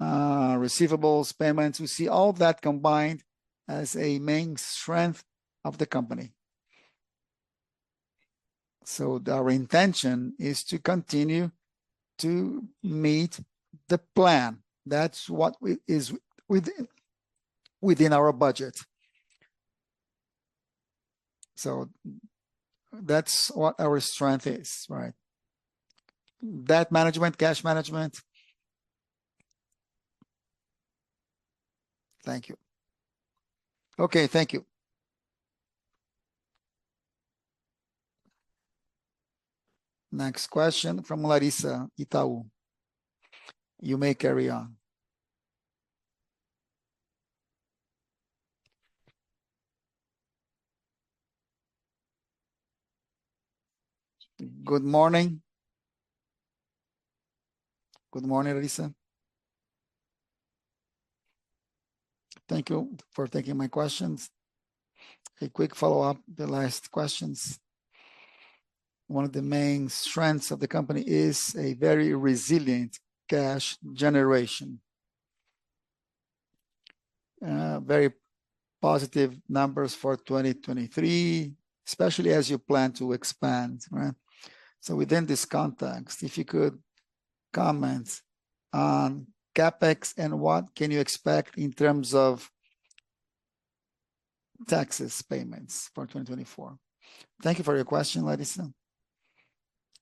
receivables, payments, we see all that combined as a main strength of the company. So our intention is to continue to meet the plan. That's what is within our budget. So that's what our strength is, right? Debt management, cash management. Thank you. Okay, thank you. Next question from Larissa, Itaú. You may carry on. Good morning. Good morning, Larissa. Thank you for taking my questions. A quick follow-up, the last questions. One of the main strengths of the company is a very resilient cash generation. Very positive numbers for 2023, especially as you plan to expand, right? So within this context, if you could comment on CapEx and what can you expect in terms of taxes payments for 2024. Thank you for your question, Larissa.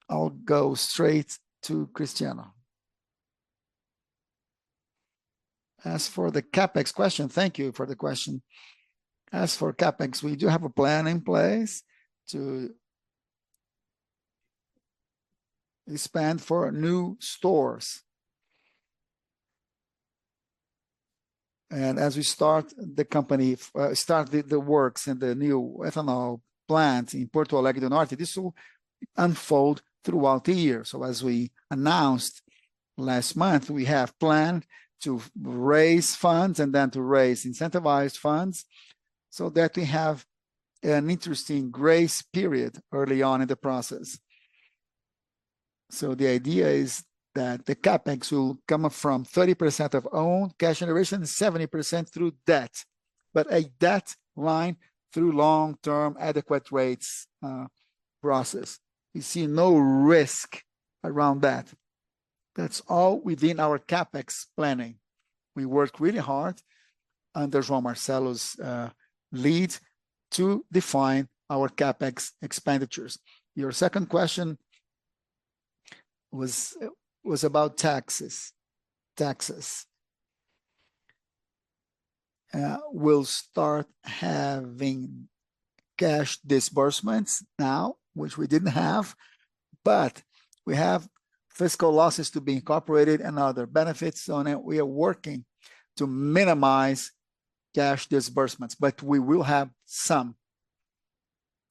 I'll go straight to Cristiano. As for the CapEx question, thank you for the question. As for CapEx, we do have a plan in place to expand for new stores. As we start the company, start the works in the new ethanol plant in Porto Alegre do Norte, this will unfold throughout the year. As we announced last month, we have planned to raise funds and then to raise incentivized funds so that we have an interesting grace period early on in the process. The idea is that the CapEx will come from 30% of own cash generation and 70% through debt, but a debt line through long-term adequate rates process. We see no risk around that. That's all within our CapEx planning. We work really hard under João Marcelo's lead to define our CapEx expenditures. Your second question was about taxes. Taxes. We'll start having cash disbursements now, which we didn't have, but we have fiscal losses to be incorporated and other benefits on it. We are working to minimize cash disbursements, but we will have some.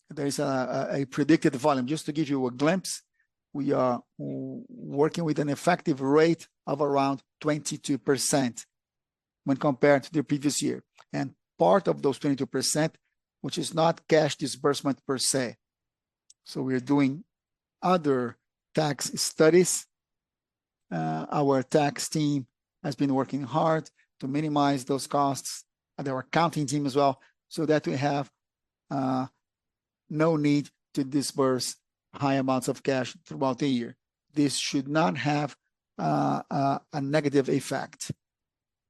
There is a predicted volume. Just to give you a glimpse, we are working with an effective rate of around 22% when compared to the previous year. And part of those 22%, which is not cash disbursement per se. So we are doing other tax studies. Our tax team has been working hard to minimize those costs. There were accounting teams as well so that we have no need to disburse high amounts of cash throughout the year. This should not have a negative effect.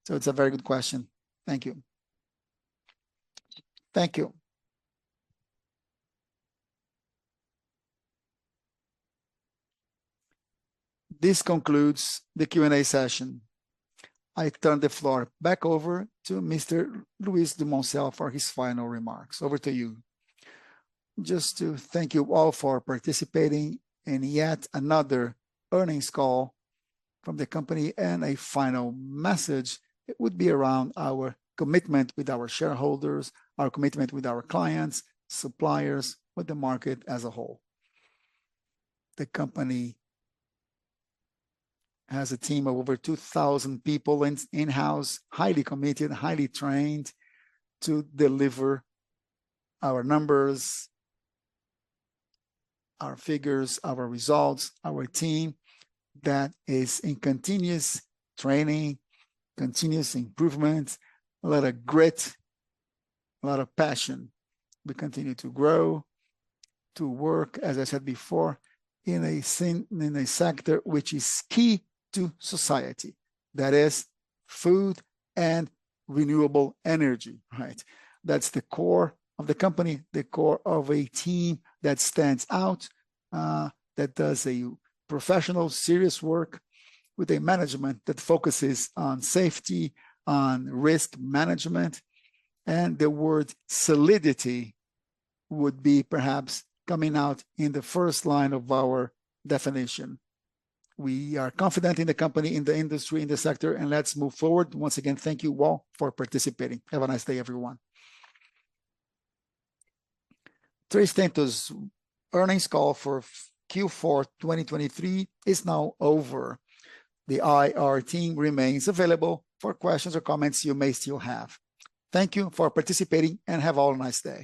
So it's a very good question. Thank you. Thank you. This concludes the Q&A session. I turn the floor back over to Mr. Luiz Dumoncel for his final remarks. Over to you. Just to thank you all for participating in yet another earnings call from the company and a final message. It would be around our commitment with our shareholders, our commitment with our clients, suppliers, with the market as a whole. The company has a team of over 2,000 people in-house, highly committed, highly trained to deliver our numbers, our figures, our results, our team that is in continuous training, continuous improvement, a lot of grit, a lot of passion. We continue to grow, to work, as I said before, in a sector which is key to society, that is food and renewable energy, right? That's the core of the company, the core of a team that stands out, that does a professional, serious work with a management that focuses on safety, on risk management, and the word solidity would be perhaps coming out in the first line of our definition. We are confident in the company, in the industry, in the sector, and let's move forward. Once again, thank you all for participating. Have a nice day, everyone. 3tentos earnings call for Q4 2023 is now over. The IR team remains available for questions or comments you may still have. Thank you for participating and have a nice day.